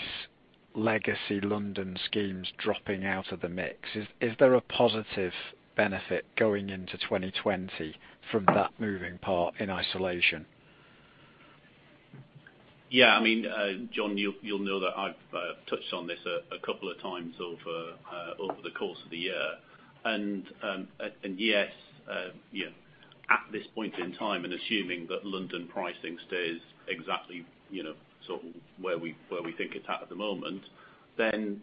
H: legacy London schemes dropping out of the mix? Is there a positive benefit going into 2020 from that moving part in isolation?
B: Yeah. John, you'll know that I've touched on this a couple of times over the course of the year. Yes, at this point in time, and assuming that London pricing stays exactly where we think it's at at the moment, then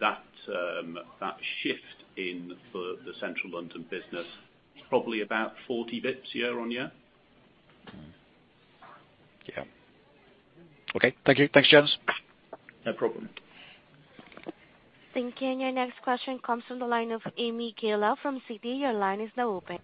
B: that shift in the central London business is probably about 40 basis points year-on-year.
H: Yeah. Okay. Thank you. Thanks, James.
B: No problem.
A: Thank you. Your next question comes from the line of Ami Galla from Citi. Your line is now open.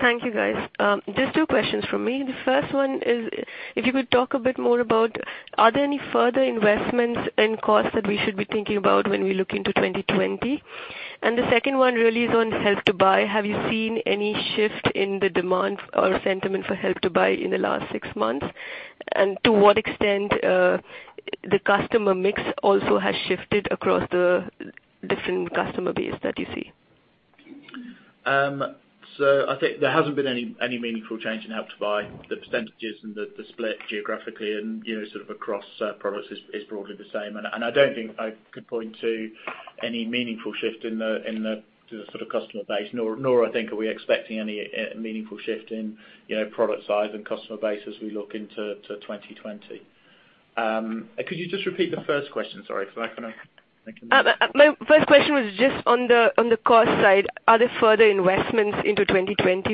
I: Thank you, guys. Just two questions from me. The first one is, if you could talk a bit more about, are there any further investments in costs that we should be thinking about when we look into 2020? The second one really is on Help to Buy. Have you seen any shift in the demand or sentiment for Help to Buy in the last six months? To what extent the customer mix also has shifted across the different customer base that you see?
B: I think there hasn't been any meaningful change in Help to Buy. The percentages and the split geographically and sort of across products is broadly the same. I don't think I could point to any meaningful shift in the sort of customer base nor I think are we expecting any meaningful shift in product size and customer base as we look into 2020. Could you just repeat the first question? Sorry.
I: My first question was just on the cost side, are there further investments into 2020?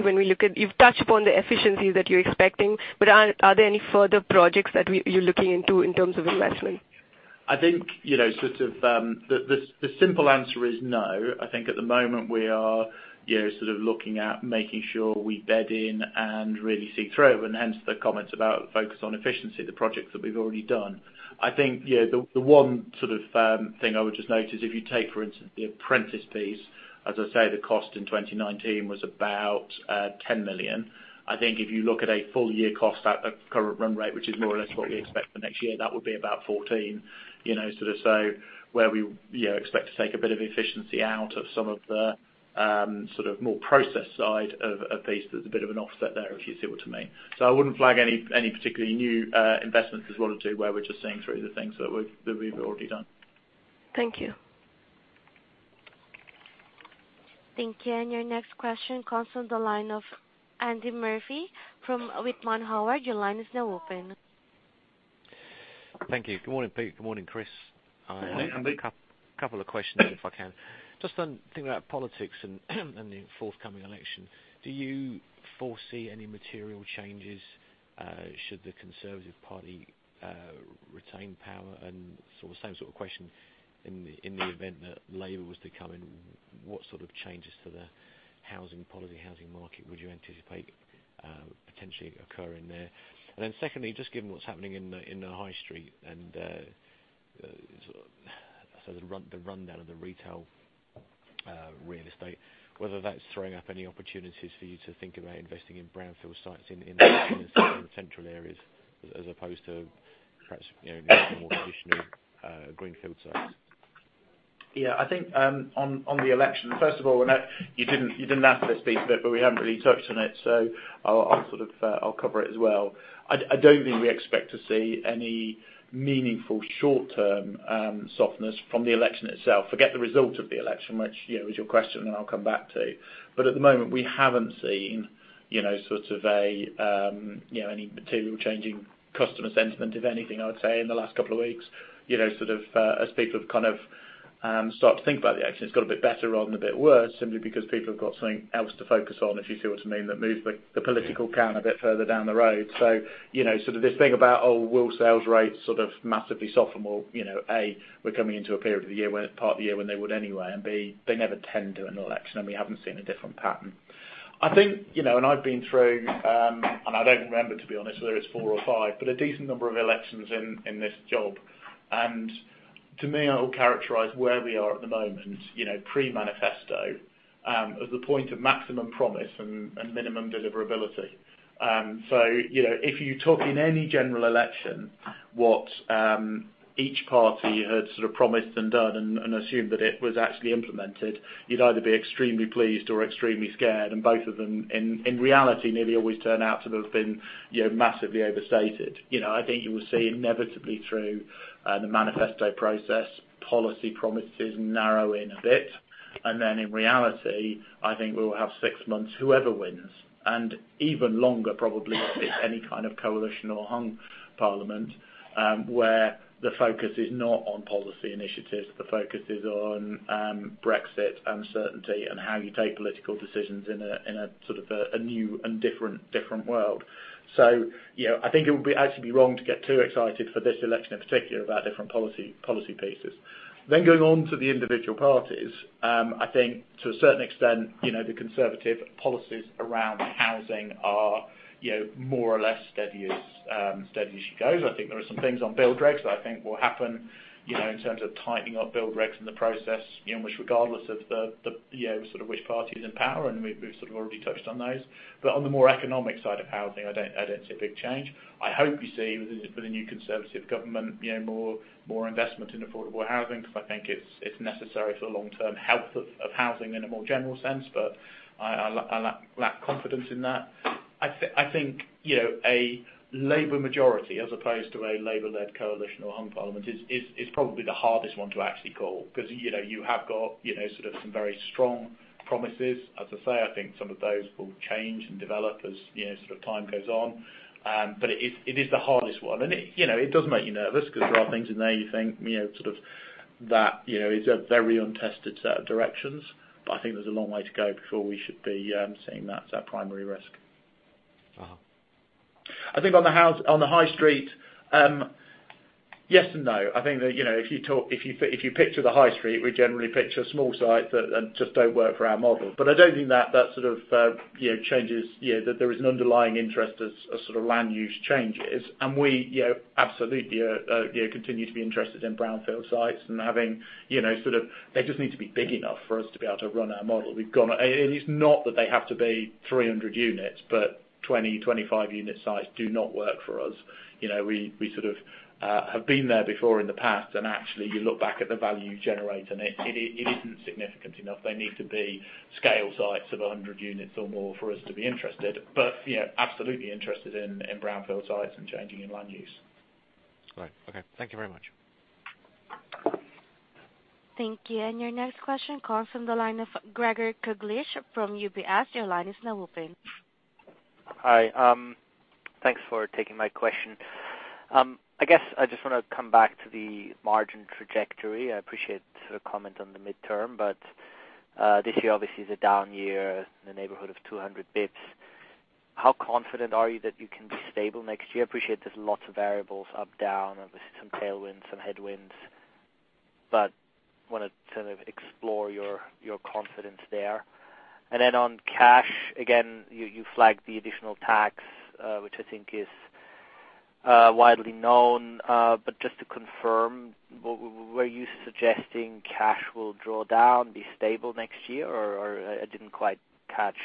I: You've touched upon the efficiencies that you're expecting, but are there any further projects that you're looking into in terms of investment?
B: I think the simple answer is no. I think at the moment we are looking at making sure we bed in and really see through, and hence the comments about focus on efficiency, the projects that we've already done. I think the one thing I would just note is if you take, for instance, the Apprentice piece, as I say, the cost in 2019 was about 10 million. I think if you look at a full year cost at the current run rate, which is more or less what we expect for next year, that would be about 14. Where we expect to take a bit of efficiency out of some of the more process side of piece, there's a bit of an offset there, if you see what I mean. I wouldn't flag any particularly new investments as what to do, where we're just seeing through the things that we've already done.
I: Thank you.
A: Thank you. Your next question comes from the line of Andy Murphy with Whitman Howard. Your line is now open.
J: Thank you. Good morning, Pete. Good morning, Chris.
B: Good morning, Andy.
J: A couple of questions, if I can. Just on thinking about politics and the forthcoming election, do you foresee any material changes should the Conservative Party retain power? The same sort of question, in the event that Labour was to come in, what sort of changes to the housing policy, housing market would you anticipate potentially occur in there? Secondly, just given what's happening in the High Street and the rundown of the retail real estate, whether that's throwing up any opportunities for you to think about investing in brownfield sites in central areas as opposed to perhaps more traditional greenfield sites.
B: I think on the election, first of all, you didn't ask this piece of it, but we haven't really touched on it, so I'll cover it as well. I don't think we expect to see any meaningful short-term softness from the election itself. Forget the result of the election, which is your question, and I'll come back to. At the moment, we haven't seen any material change in customer sentiment. If anything, I would say in the last couple of weeks, as people have started to think about the election, it's got a bit better rather than a bit worse, simply because people have got something else to focus on, if you see what I mean, that moves the political can a bit further down the road. This thing about, will sales rates massively soften? Well, A, we're coming into a period of the year where it's part of the year when they would anyway, and B, they never tend to in an election, and we haven't seen a different pattern. I think, and I've been through, and I don't remember, to be honest, whether it's four or five, but a decent number of elections in this job. To me, I will characterize where we are at the moment, pre-manifesto, as the point of maximum promise and minimum deliverability. If you took in any general election what each party had promised and done and assumed that it was actually implemented, you'd either be extremely pleased or extremely scared, and both of them, in reality, nearly always turn out to have been massively overstated. I think you will see inevitably through the manifesto process, policy promises narrow in a bit. In reality, I think we will have six months, whoever wins, and even longer, probably if it's any kind of coalition or hung parliament, where the focus is not on policy initiatives, the focus is on Brexit uncertainty and how you take political decisions in a new and different world. I think it would actually be wrong to get too excited for this election in particular about different policy pieces. Going on to the individual parties, I think to a certain extent, the Conservative policies around housing are more or less steady as she goes. I think there are some things on build regs that I think will happen in terms of tightening up build regs in the process, which regardless of which party is in power, and we've already touched on those. On the more economic side of housing, I don't see a big change. I hope you see with the new Conservative government more investment in affordable housing, because I think it's necessary for the long-term health of housing in a more general sense. I lack confidence in that. I think, a Labour majority as opposed to a Labour-led coalition or hung parliament is probably the hardest one to actually call, because you have got some very strong promises. As I say, I think some of those will change and develop as time goes on. It is the hardest one. It does make you nervous because there are things in there you think that is a very untested set of directions. I think there's a long way to go before we should be saying that's our primary risk. I think on the high street, yes and no. I think that if you picture the high street, we generally picture small sites that just don't work for our model. I don't think that changes that there is an underlying interest as land use changes. We absolutely continue to be interested in brownfield sites. They just need to be big enough for us to be able to run our model. It is not that they have to be 300 units, but 20, 25 unit sites do not work for us. We sort of have been there before in the past, and actually you look back at the value generated and it isn't significant enough. They need to be scale sites of 100 units or more for us to be interested. Absolutely interested in brownfield sites and changing in land use.
J: Great. Okay. Thank you very much.
A: Thank you. Your next question comes from the line of Gregor Kuglitsch from UBS. Your line is now open.
K: Hi. Thanks for taking my question. I guess I just want to come back to the margin trajectory. I appreciate the comment on the midterm, this year obviously is a down year in the neighborhood of 200 basis points. How confident are you that you can be stable next year? I appreciate there's lots of variables up, down, obviously some tailwinds, some headwinds, but want to sort of explore your confidence there. On cash, again, you flagged the additional tax, which I think is widely known. Just to confirm, were you suggesting cash will draw down, be stable next year? I didn't quite catch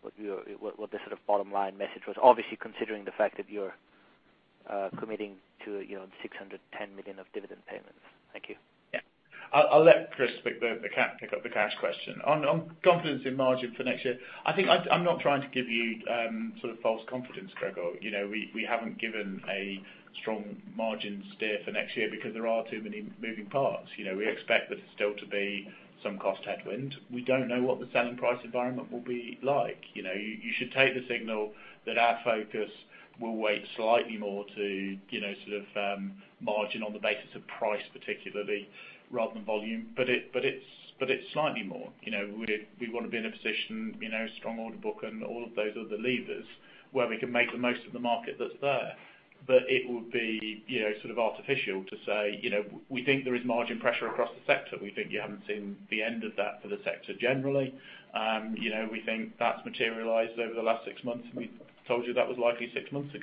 K: what the sort of bottom line message was. Obviously, considering the fact that you're committing to 610 million of dividend payments. Thank you.
B: Yeah. I'll let Chris pick up the cash question. On confidence in margin for next year, I think I'm not trying to give you false confidence, Gregor. We haven't given a strong margin steer for next year because there are too many moving parts. We expect there's still to be some cost headwind. We don't know what the selling price environment will be like. You should take the signal that our focus will weight slightly more to margin on the basis of price, particularly, rather than volume. It's slightly more. We want to be in a position, strong order book and all of those other levers where we can make the most of the market that's there. It would be artificial to say, we think there is margin pressure across the sector. We think you haven't seen the end of that for the sector generally. We think that's materialized over the last six months, and we told you that was likely six months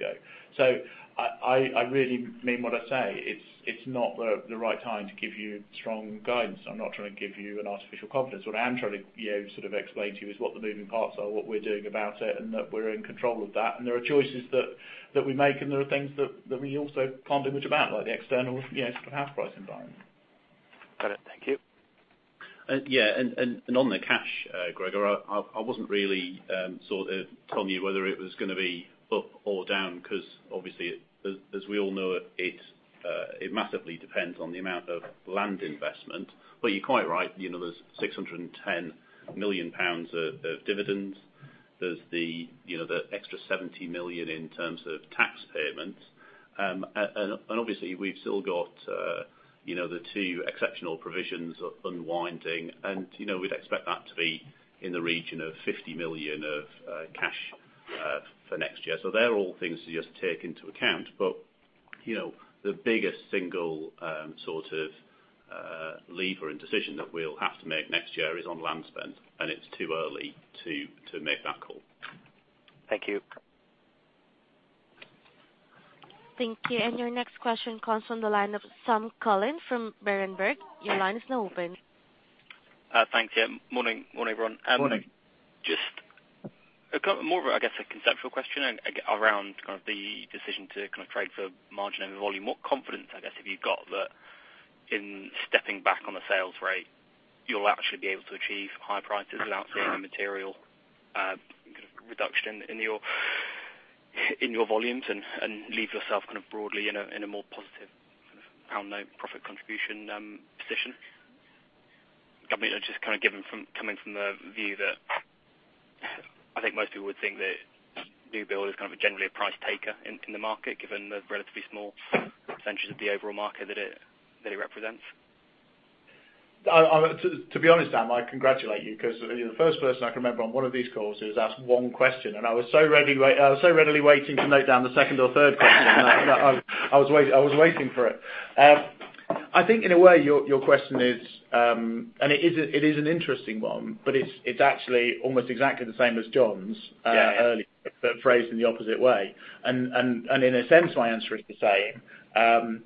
B: ago. I really mean what I say. It's not the right time to give you strong guidance. I'm not trying to give you an artificial confidence. What I am trying to explain to you is what the moving parts are, what we're doing about it, and that we're in control of that. There are choices that we make, and there are things that we also can't do much about, like the external house price environment.
K: Got it. Thank you.
C: On the cash, Gregor, I wasn't really telling you whether it was going to be up or down because obviously, as we all know, it massively depends on the amount of land investment. You're quite right, there's 610 million pounds of dividends. There's the extra 70 million in terms of tax payments. Obviously we've still got the two exceptional provisions unwinding, and we'd expect that to be in the region of 50 million of cash for next year. They're all things to just take into account. The biggest single sort of lever and decision that we'll have to make next year is on land spend, and it's too early to make that call.
K: Thank you.
A: Thank you. Your next question comes on the line of Sam Cullen from Berenberg. Your line is now open.
L: Thanks. Yeah. Morning, everyone.
B: Morning.
L: Just more of a, I guess a conceptual question around the decision to trade for margin over volume. What confidence, I guess, have you got that in stepping back on the sales rate, you will actually be able to achieve higher prices without seeing a material reduction in your volumes and leave yourself broadly in a more positive pound note profit contribution position? I mean just coming from the view that I think most people would think that new build is kind of generally a price taker in the market, given the relatively small % of the overall market that it represents.
B: To be honest, Sam, I congratulate you because you're the first person I can remember on one of these calls who's asked one question, and I was so readily waiting to note down the second or third question. I was waiting for it. I think in a way, your question is and it is an interesting one, but it's actually almost exactly the same as John's earlier.
L: Yeah
B: Phrased in the opposite way. In a sense, my answer is the same.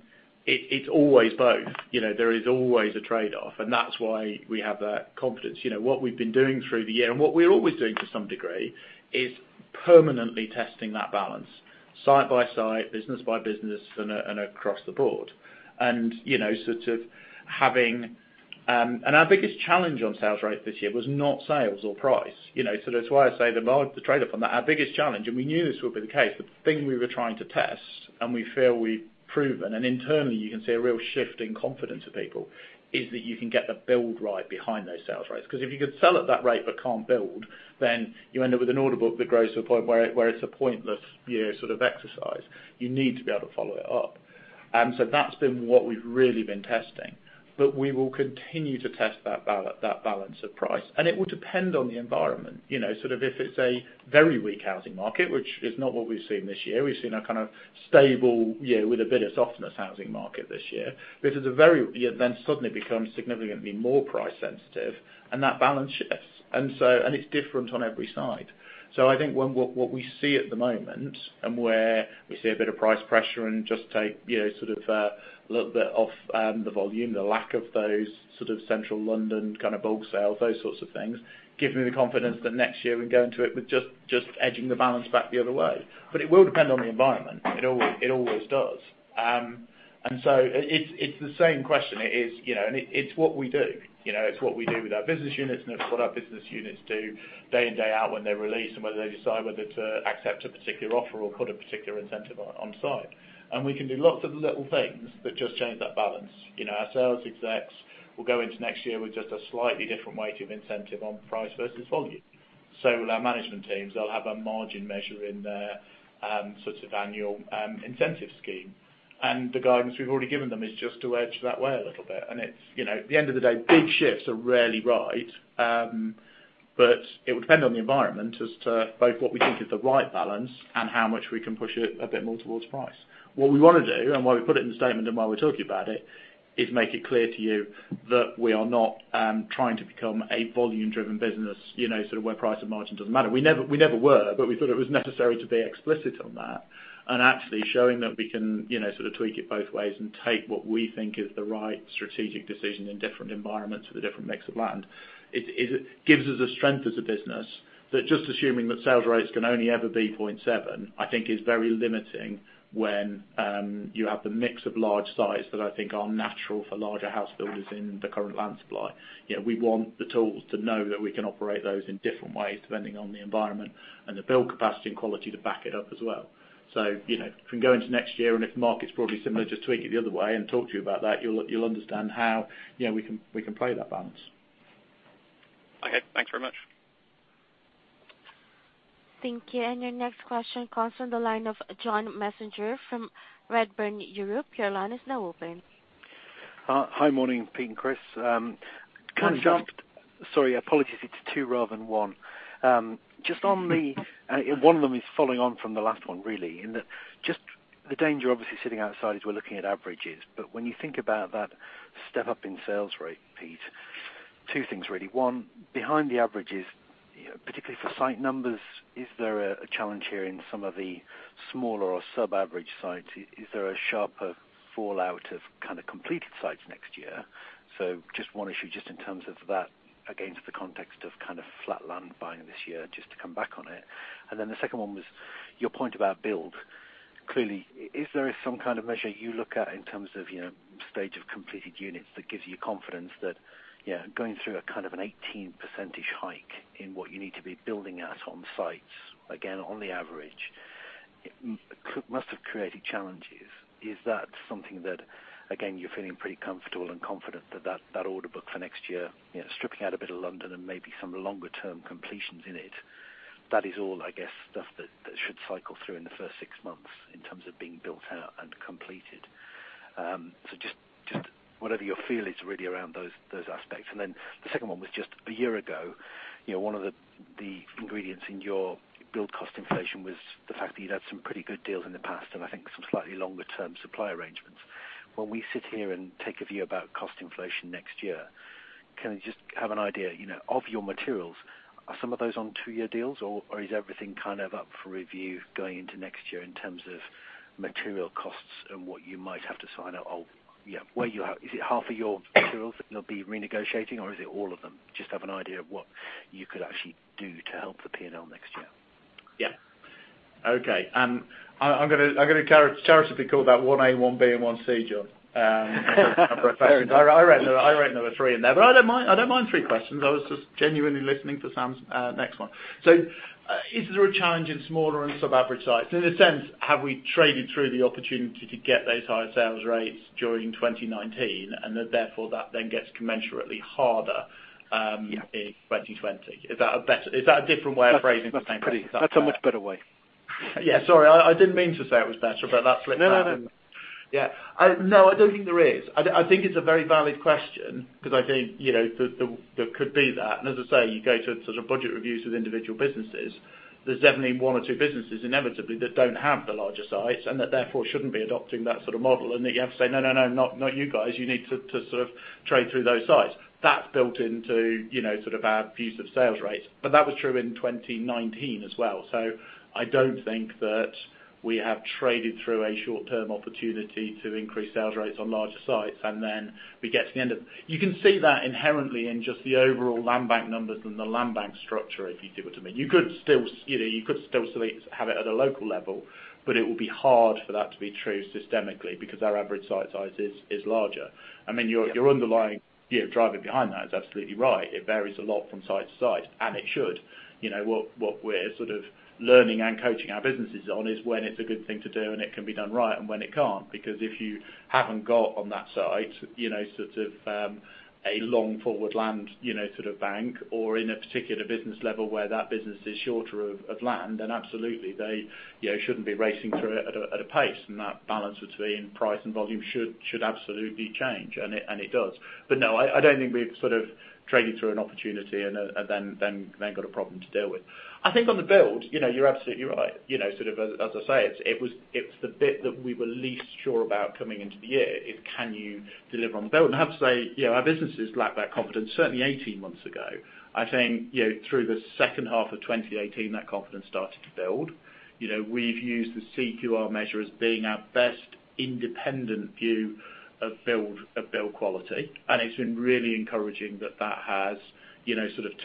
B: It's always both. There is always a trade-off, and that's why we have that confidence. What we've been doing through the year and what we're always doing to some degree is permanently testing that balance, site by site, business by business, and across the board. Our biggest challenge on sales rate this year was not sales or price. That's why I say the trade-off on that, our biggest challenge, and we knew this would be the case, the thing we were trying to test and we feel we've proven, and internally you can see a real shift in confidence of people, is that you can get the build right behind those sales rates. If you can sell at that rate but can't build, then you end up with an order book that grows to a point where it's a pointless year exercise. You need to be able to follow it up. That's been what we've really been testing. We will continue to test that balance of price. It will depend on the environment. If it's a very weak housing market, which is not what we've seen this year, we've seen a kind of stable year with a bit of softness housing market this year. If it's a very weak housing market, then suddenly it becomes significantly more price sensitive, and that balance shifts. It's different on every side. I think what we see at the moment and where we see a bit of price pressure and just take a little bit off the volume, the lack of those sort of Central London kind of bulk sales, those sorts of things, give me the confidence that next year we can go into it with just edging the balance back the other way. It will depend on the environment. It always does. It's the same question. It's what we do. It's what we do with our business units, and it's what our business units do day in, day out when they release and whether they decide whether to accept a particular offer or put a particular incentive on site. We can do lots of little things that just change that balance. Our sales execs will go into next year with just a slightly different weighting incentive on price versus volume. Will our management teams, they'll have a margin measure in their annual incentive scheme. The guidance we've already given them is just to edge that way a little bit. At the end of the day, big shifts are rarely right. It would depend on the environment as to both what we think is the right balance and how much we can push it a bit more towards price. What we want to do, and why we put it in the statement and why we're talking about it, is make it clear to you that we are not trying to become a volume-driven business, sort of where price and margin doesn't matter. We never were. We thought it was necessary to be explicit on that, and actually showing that we can sort of tweak it both ways and take what we think is the right strategic decision in different environments with a different mix of land. It gives us a strength as a business, that just assuming that sales rates can only ever be 0.7, I think is very limiting when you have the mix of large size that I think are natural for larger housebuilders in the current land supply. We want the tools to know that we can operate those in different ways, depending on the environment, and the build capacity and quality to back it up as well. If we can go into next year and if the market's broadly similar, just tweak it the other way and talk to you about that, you'll understand how we can play that balance.
L: Okay, thanks very much.
A: Thank you. Your next question comes from the line of John Messenger from Redburn Europe. Your line is now open.
M: Hi. Morning, Pete and Chris.
B: John-
M: Can I just. Sorry, apologies. It's two rather than one. One of them is following on from the last one, really, in that just the danger, obviously, sitting outside is we're looking at averages. When you think about that step-up in sales rate, Pete, two things, really. One, behind the averages, particularly for site numbers, is there a challenge here in some of the smaller or subaverage sites? Is there a sharper fallout of kind of completed sites next year? Just one issue, just in terms of that against the context of kind of flat land buying this year, just to come back on it. The second one was your point about build. Clearly, is there some kind of measure you look at in terms of stage of completed units that gives you confidence that going through a kind of an 18% hike in what you need to be building at on sites, again, on the average, must have created challenges? Is that something that, again, you're feeling pretty comfortable and confident that that order book for next year, stripping out a bit of London and maybe some longer term completions in it, that is all, I guess, stuff that should cycle through in the first six months in terms of being built out and completed. Just whatever your feel is really around those aspects. Then the second one was just a year ago, one of the ingredients in your build cost inflation was the fact that you'd had some pretty good deals in the past and I think some slightly longer term supply arrangements. When we sit here and take a view about cost inflation next year, can we just have an idea of your materials? Are some of those on two-year deals, or is everything kind of up for review going into next year in terms of material costs and what you might have to sign up? Is it half of your materials that you'll be renegotiating, or is it all of them? Just have an idea of what you could actually do to help the P&L next year.
B: Yeah. Okay. I'm going to charitably call that 1A, 1B, and 1C, John.
M: Fair enough.
B: I reckon there were three in there. I don't mind three questions. I was just genuinely listening for Sam's next one. Is there a challenge in smaller and subaverage sites? In a sense, have we traded through the opportunity to get those higher sales rates during 2019 and that therefore that then gets commensurately harder in 2020? Is that a different way of phrasing the same question?
M: That's a much better way.
B: Yeah, sorry, I didn't mean to say it was better, but that's slipped out, didn't it?
M: No.
B: No, I don't think there is. I think it's a very valid question because I think there could be that, and as I say, you go to budget reviews with individual businesses, there's definitely one or two businesses inevitably that don't have the larger sites, and that therefore shouldn't be adopting that sort of model, and that you have to say, "No, no, not you guys. You need to trade through those sites." That's built into our views of sales rates. That was true in 2019 as well. I don't think that we have traded through a short-term opportunity to increase sales rates on larger sites. You can see that inherently in just the overall land bank numbers and the land bank structure, if you see what I mean. You could still have it at a local level, it would be hard for that to be true systemically because our average site size is larger. Your underlying driving behind that is absolutely right. It varies a lot from site to site, and it should. What we're learning and coaching our businesses on is when it's a good thing to do and it can be done right, and when it can't. If you haven't got on that site a long forward land bank or in a particular business level where that business is shorter of land, then absolutely they shouldn't be racing through it at a pace. That balance between price and volume should absolutely change, and it does. No, I don't think we've traded through an opportunity and then got a problem to deal with. I think on the build, you're absolutely right. As I say, it's the bit that we were least sure about coming into the year is can you deliver on build? I have to say, our businesses lacked that confidence certainly 18 months ago. I think through the second half of 2018, that confidence started to build. We've used the CQR measure as being our best independent view of build quality, and it's been really encouraging that that has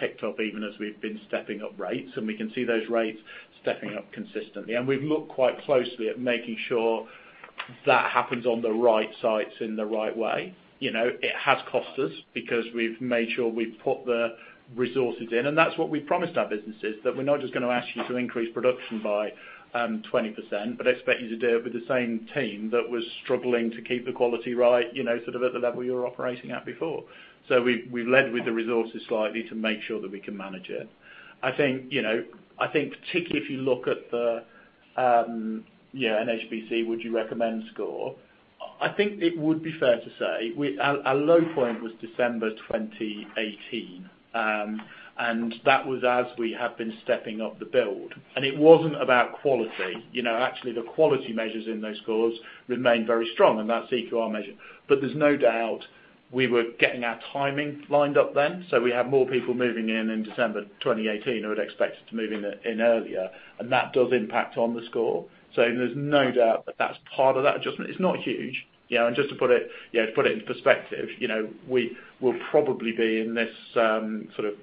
B: ticked up even as we've been stepping up rates, and we can see those rates stepping up consistently. We've looked quite closely at making sure that happens on the right sites in the right way. It has cost us because we've made sure we've put the resources in. That's what we've promised our businesses, that we're not just going to ask you to increase production by 20%, but expect you to do it with the same team that was struggling to keep the quality right at the level you were operating at before. We've led with the resources slightly to make sure that we can manage it. I think particularly if you look at the NHBC Would You Recommend score, I think it would be fair to say our low point was December 2018. That was as we have been stepping up the build. It wasn't about quality. Actually, the quality measures in those scores remained very strong, and that CQR measure. There's no doubt we were getting our timing lined up then. We had more people moving in in December 2018 who had expected to move in earlier, and that does impact on the score. There's no doubt that that's part of that adjustment. It's not huge. Just to put it into perspective, we will probably be in this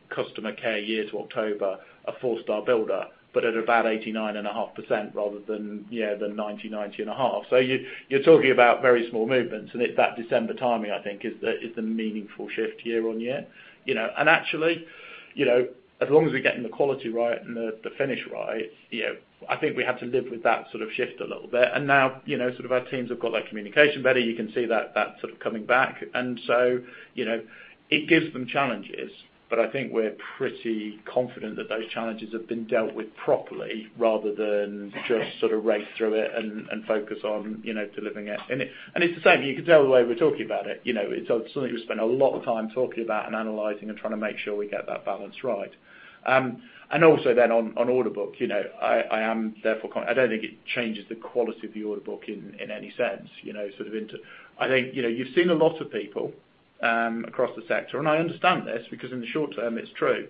B: customer care year to October, a four-star builder, but at about 89.5% rather than 90%, 90.5%. You're talking about very small movements, and it's that December timing, I think, is the meaningful shift year on year. Actually, as long as we're getting the quality right and the finish right, I think we have to live with that shift a little bit. Now our teams have got that communication better. You can see that coming back. It gives them challenges, but I think we're pretty confident that those challenges have been dealt with properly rather than just race through it and focus on delivering it. It's the same. You can tell the way we're talking about it. It's something we spend a lot of time talking about and analyzing and trying to make sure we get that balance right. Also then on order book, I don't think it changes the quality of the order book in any sense. I think you've seen a lot of people across the sector, and I understand this because in the short term it's true.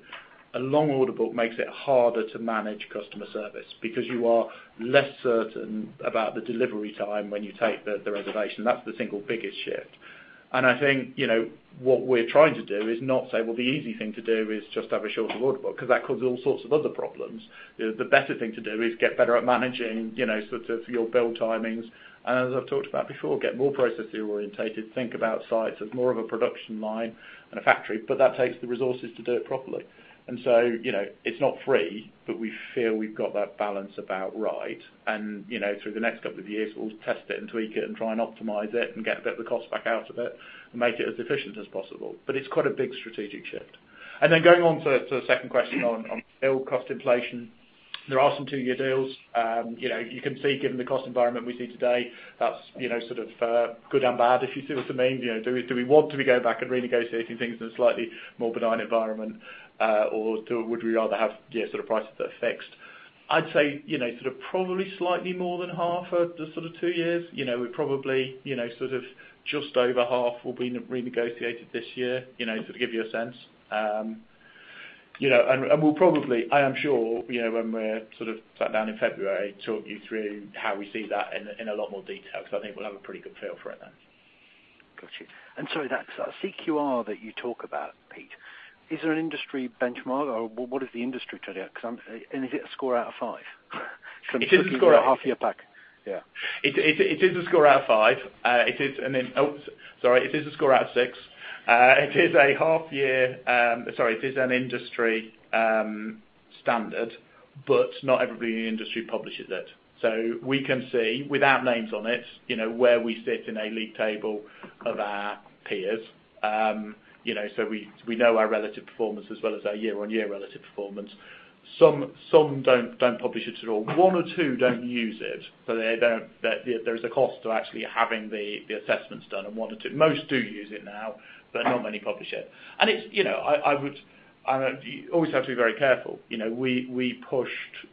B: A long order book makes it harder to manage customer service because you are less certain about the delivery time when you take the reservation. That's the single biggest shift. I think what we're trying to do is not say, "Well, the easy thing to do is just have a shorter order book," because that causes all sorts of other problems. The better thing to do is get better at managing your build timings. As I've talked about before, get more process orientated, think about sites as more of a production line and a factory, but that takes the resources to do it properly. It's not free, but we feel we've got that balance about right. Through the next couple of years, we'll test it and tweak it and try and optimize it and get a bit of the cost back out of it and make it as efficient as possible. It's quite a big strategic shift. Going on to the second question on build cost inflation, there are some two-year deals. You can see given the cost environment we see today, that's good and bad if you see what I mean. Do we want to be going back and renegotiating things in a slightly more benign environment? Would we rather have prices that are fixed? I'd say probably slightly more than half are the two years. Probably just over half will be renegotiated this year, to give you a sense. We'll probably, I am sure, when we're sat down in February, talk you through how we see that in a lot more detail because I think we'll have a pretty good feel for it then.
M: Got you. Sorry, that CQR that you talk about, Pete, is there an industry benchmark or what is the industry target? Is it a score out of five?
B: It is a score out of five.
M: I'm looking at half year pack. Yeah.
B: It is a score out of five. Oh, sorry. It is a score out of six. It is an industry standard, not everybody in the industry publishes it. We can see, without names on it, where we sit in a league table of our peers. We know our relative performance as well as our year-on-year relative performance. Some don't publish it at all. One or two don't use it, so there's a cost to actually having the assessments done. Most do use it now, but not many publish it. You always have to be very careful. We pushed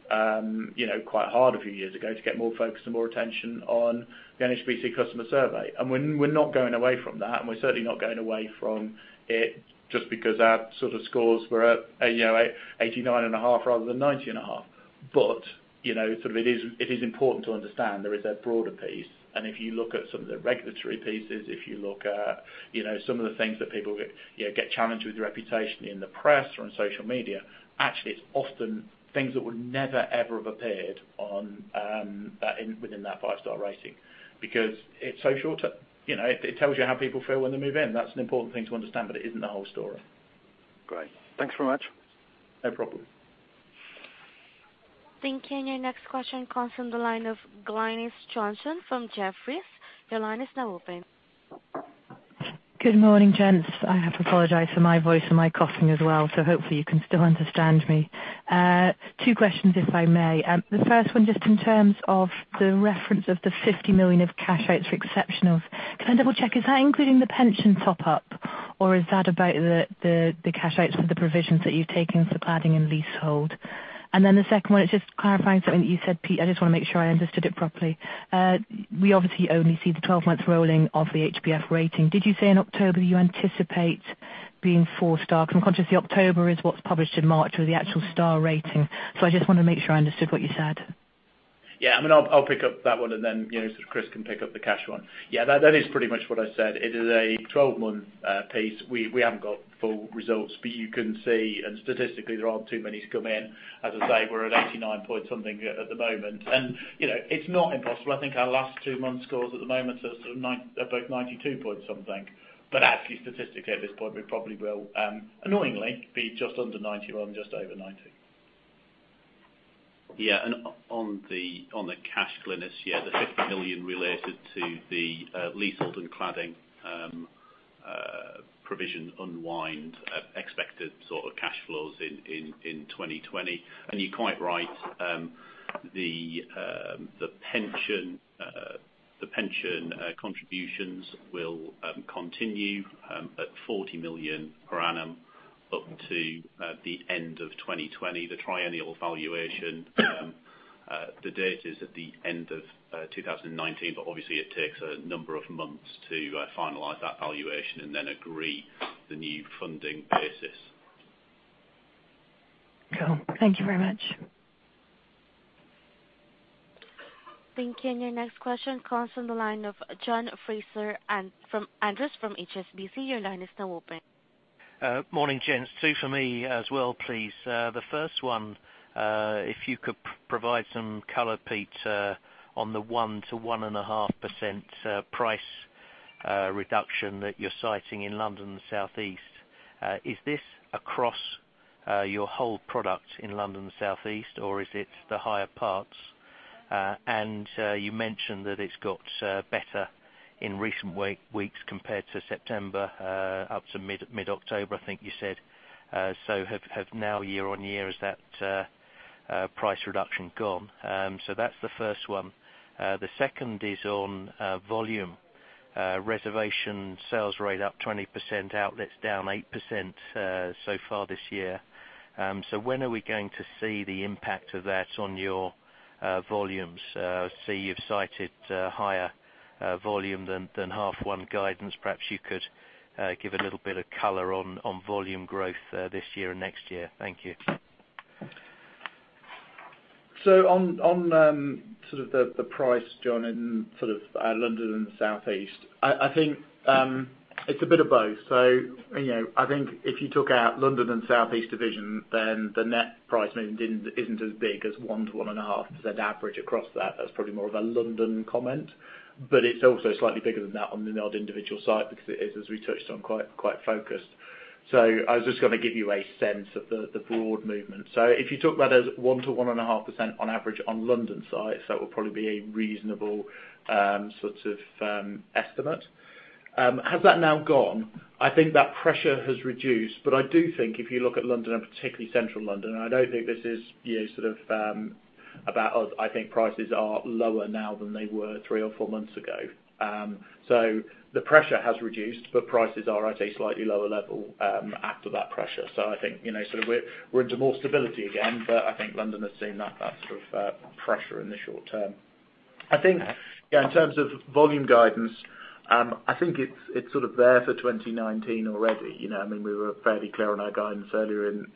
B: quite hard a few years ago to get more focus and more attention on the NHBC customer survey. We're not going away from that, and we're certainly not going away from it just because our scores were at 89.5 rather than 90.5. It is important to understand there is a broader piece. If you look at some of the regulatory pieces, if you look at some of the things that people get challenged with reputation in the press or on social media, actually, it is often things that would never, ever have appeared within that five-star rating because it is so short-term. It tells you how people feel when they move in. That is an important thing to understand, but it isn't the whole story.
M: Great. Thanks very much.
B: No problem.
A: Thank you. Your next question comes from the line of Glynis Johnson from Jefferies. Your line is now open.
N: Good morning, gents. I have to apologize for my voice and my coughing as well, so hopefully you can still understand me. Two questions, if I may. The first one, just in terms of the reference of the 50 million of cash outs for exceptionals. Can I double-check, is that including the pension top up or is that about the cash outs for the provisions that you've taken for cladding and leasehold? The second one is just clarifying something that you said, Pete. I just want to make sure I understood it properly. We obviously only see the 12 months rolling of the HBF rating. Did you say in October you anticipate being four star? I'm conscious the October is what's published in March or the actual star rating. I just want to make sure I understood what you said.
B: Yeah, I'll pick up that one and then Chris can pick up the cash one. Yeah, that is pretty much what I said. It is a 12-month piece. We haven't got full results, but you can see, and statistically there aren't too many to come in. As I say, we're at 89 point something at the moment, and it's not impossible. I think our last two months scores at the moment are both 92 point something. Actually statistically at this point, we probably will, annoyingly, be just under 90 rather than just over 90.
C: Yeah. On the cash, Glynis, yeah, the 50 million related to the leasehold and cladding provision unwind expected sort of cash flows in 2020. You're quite right. The pension contributions will continue at 40 million per annum up to the end of 2020. The triennial valuation, the date is at the end of 2019, but obviously it takes a number of months to finalize that valuation and then agree the new funding basis.
N: Cool. Thank you very much.
A: Thank you. Your next question comes from the line of John Fraser-Andrews from HSBC. Your line is now open.
O: Morning, gents. Two for me as well, please. The first one, if you could provide some color, Pete, on the 1%-1.5% price reduction that you're citing in London and the Southeast. Is this across your whole product in London and the Southeast, or is it the higher parts? You mentioned that it's got better in recent weeks compared to September up to mid-October, I think you said. Have now year-on-year, has that price reduction gone? That's the first one. The second is on volume. Reservation sales rate up 20%, outlets down 8% so far this year. When are we going to see the impact of that on your volumes? I see you've cited higher volume than half one guidance. Perhaps you could give a little bit of color on volume growth this year and next year. Thank you.
B: On the price, John, in London and the Southeast, I think it's a bit of both. I think if you took out London and Southeast Division, then the net price movement isn't as big as 1%-1.5% average across that. That's probably more of a London comment, but it's also slightly bigger than that on an odd individual site because it is, as we touched on, quite focused. I was just going to give you a sense of the broad movement. If you talk about it as 1%-1.5% on average on London sites, that will probably be a reasonable sort of estimate. Has that now gone? I think that pressure has reduced, but I do think if you look at London and particularly Central London, and I don't think this is about, I think prices are lower now than they were three or four months ago. The pressure has reduced, but prices are at a slightly lower level after that pressure. I think we're into more stability again, but I think London has seen that sort of pressure in the short term. I think in terms of volume guidance, I think it's sort of there for 2019 already. We were fairly clear on our guidance earlier in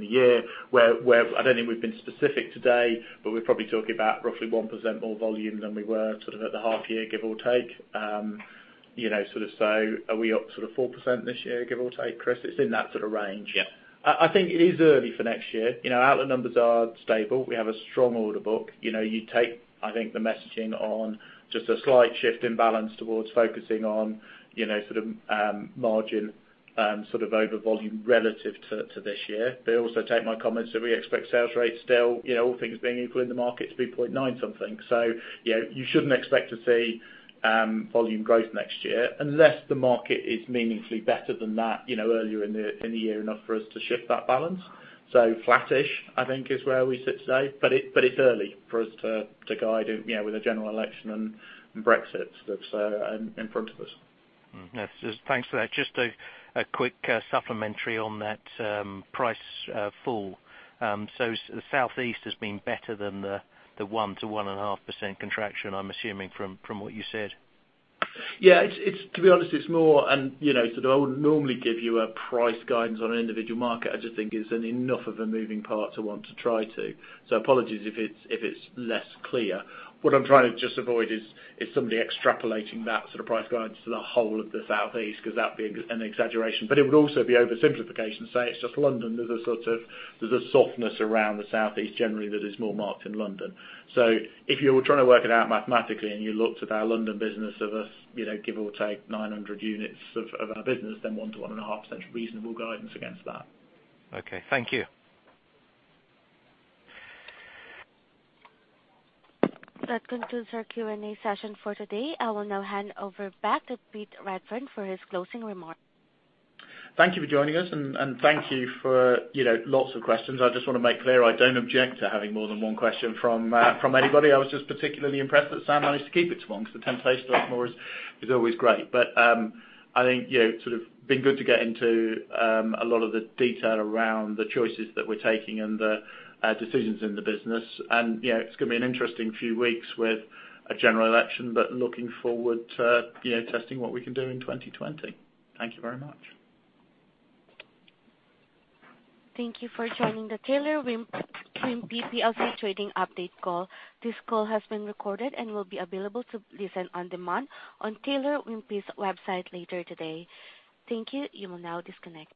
B: the year where I don't think we've been specific today, but we're probably talking about roughly 1% more volume than we were sort of at the half year, give or take. Are we up 4% this year, give or take, Chris? It's in that sort of range.
C: Yeah.
B: I think it is early for next year. Outlet numbers are stable. We have a strong order book. You take, I think, the messaging on just a slight shift in balance towards focusing on margin over volume relative to this year. Also take my comments that we expect sales rates still, all things being equal in the market, to be 0.9 something. You shouldn't expect to see volume growth next year unless the market is meaningfully better than that earlier in the year, enough for us to shift that balance. Flattish, I think is where we sit today, but it's early for us to guide with a general election and Brexit that's in front of us.
O: Thanks for that. Just a quick supplementary on that price fall. The Southeast has been better than the 1%-1.5% contraction, I'm assuming, from what you said.
B: Yeah. To be honest, I wouldn't normally give you a price guidance on an individual market. I just think it's enough of a moving part to want to try to. Apologies if it's less clear. What I'm trying to just avoid is somebody extrapolating that sort of price guidance to the whole of the Southeast, because that would be an exaggeration. It would also be oversimplification to say it's just London. There's a softness around the Southeast generally that is more marked in London. If you were trying to work it out mathematically and you looked at our London business of, give or take 900 units of our business, then 1%-1.5% reasonable guidance against that.
O: Okay, thank you.
A: That concludes our Q&A session for today. I will now hand over back to Pete Redfern for his closing remarks.
B: Thank you for joining us, and thank you for lots of questions. I just want to make clear, I don't object to having more than one question from anybody. I was just particularly impressed that Sam managed to keep it to one, because the temptation to ask more is always great. I think it's been good to get into a lot of the detail around the choices that we're taking and the decisions in the business. It's going to be an interesting few weeks with a general election, but looking forward to testing what we can do in 2020. Thank you very much.
A: Thank you for joining the Taylor Wimpey PLC trading update call. This call has been recorded and will be available to listen on demand on Taylor Wimpey's website later today. Thank you. You will now disconnect.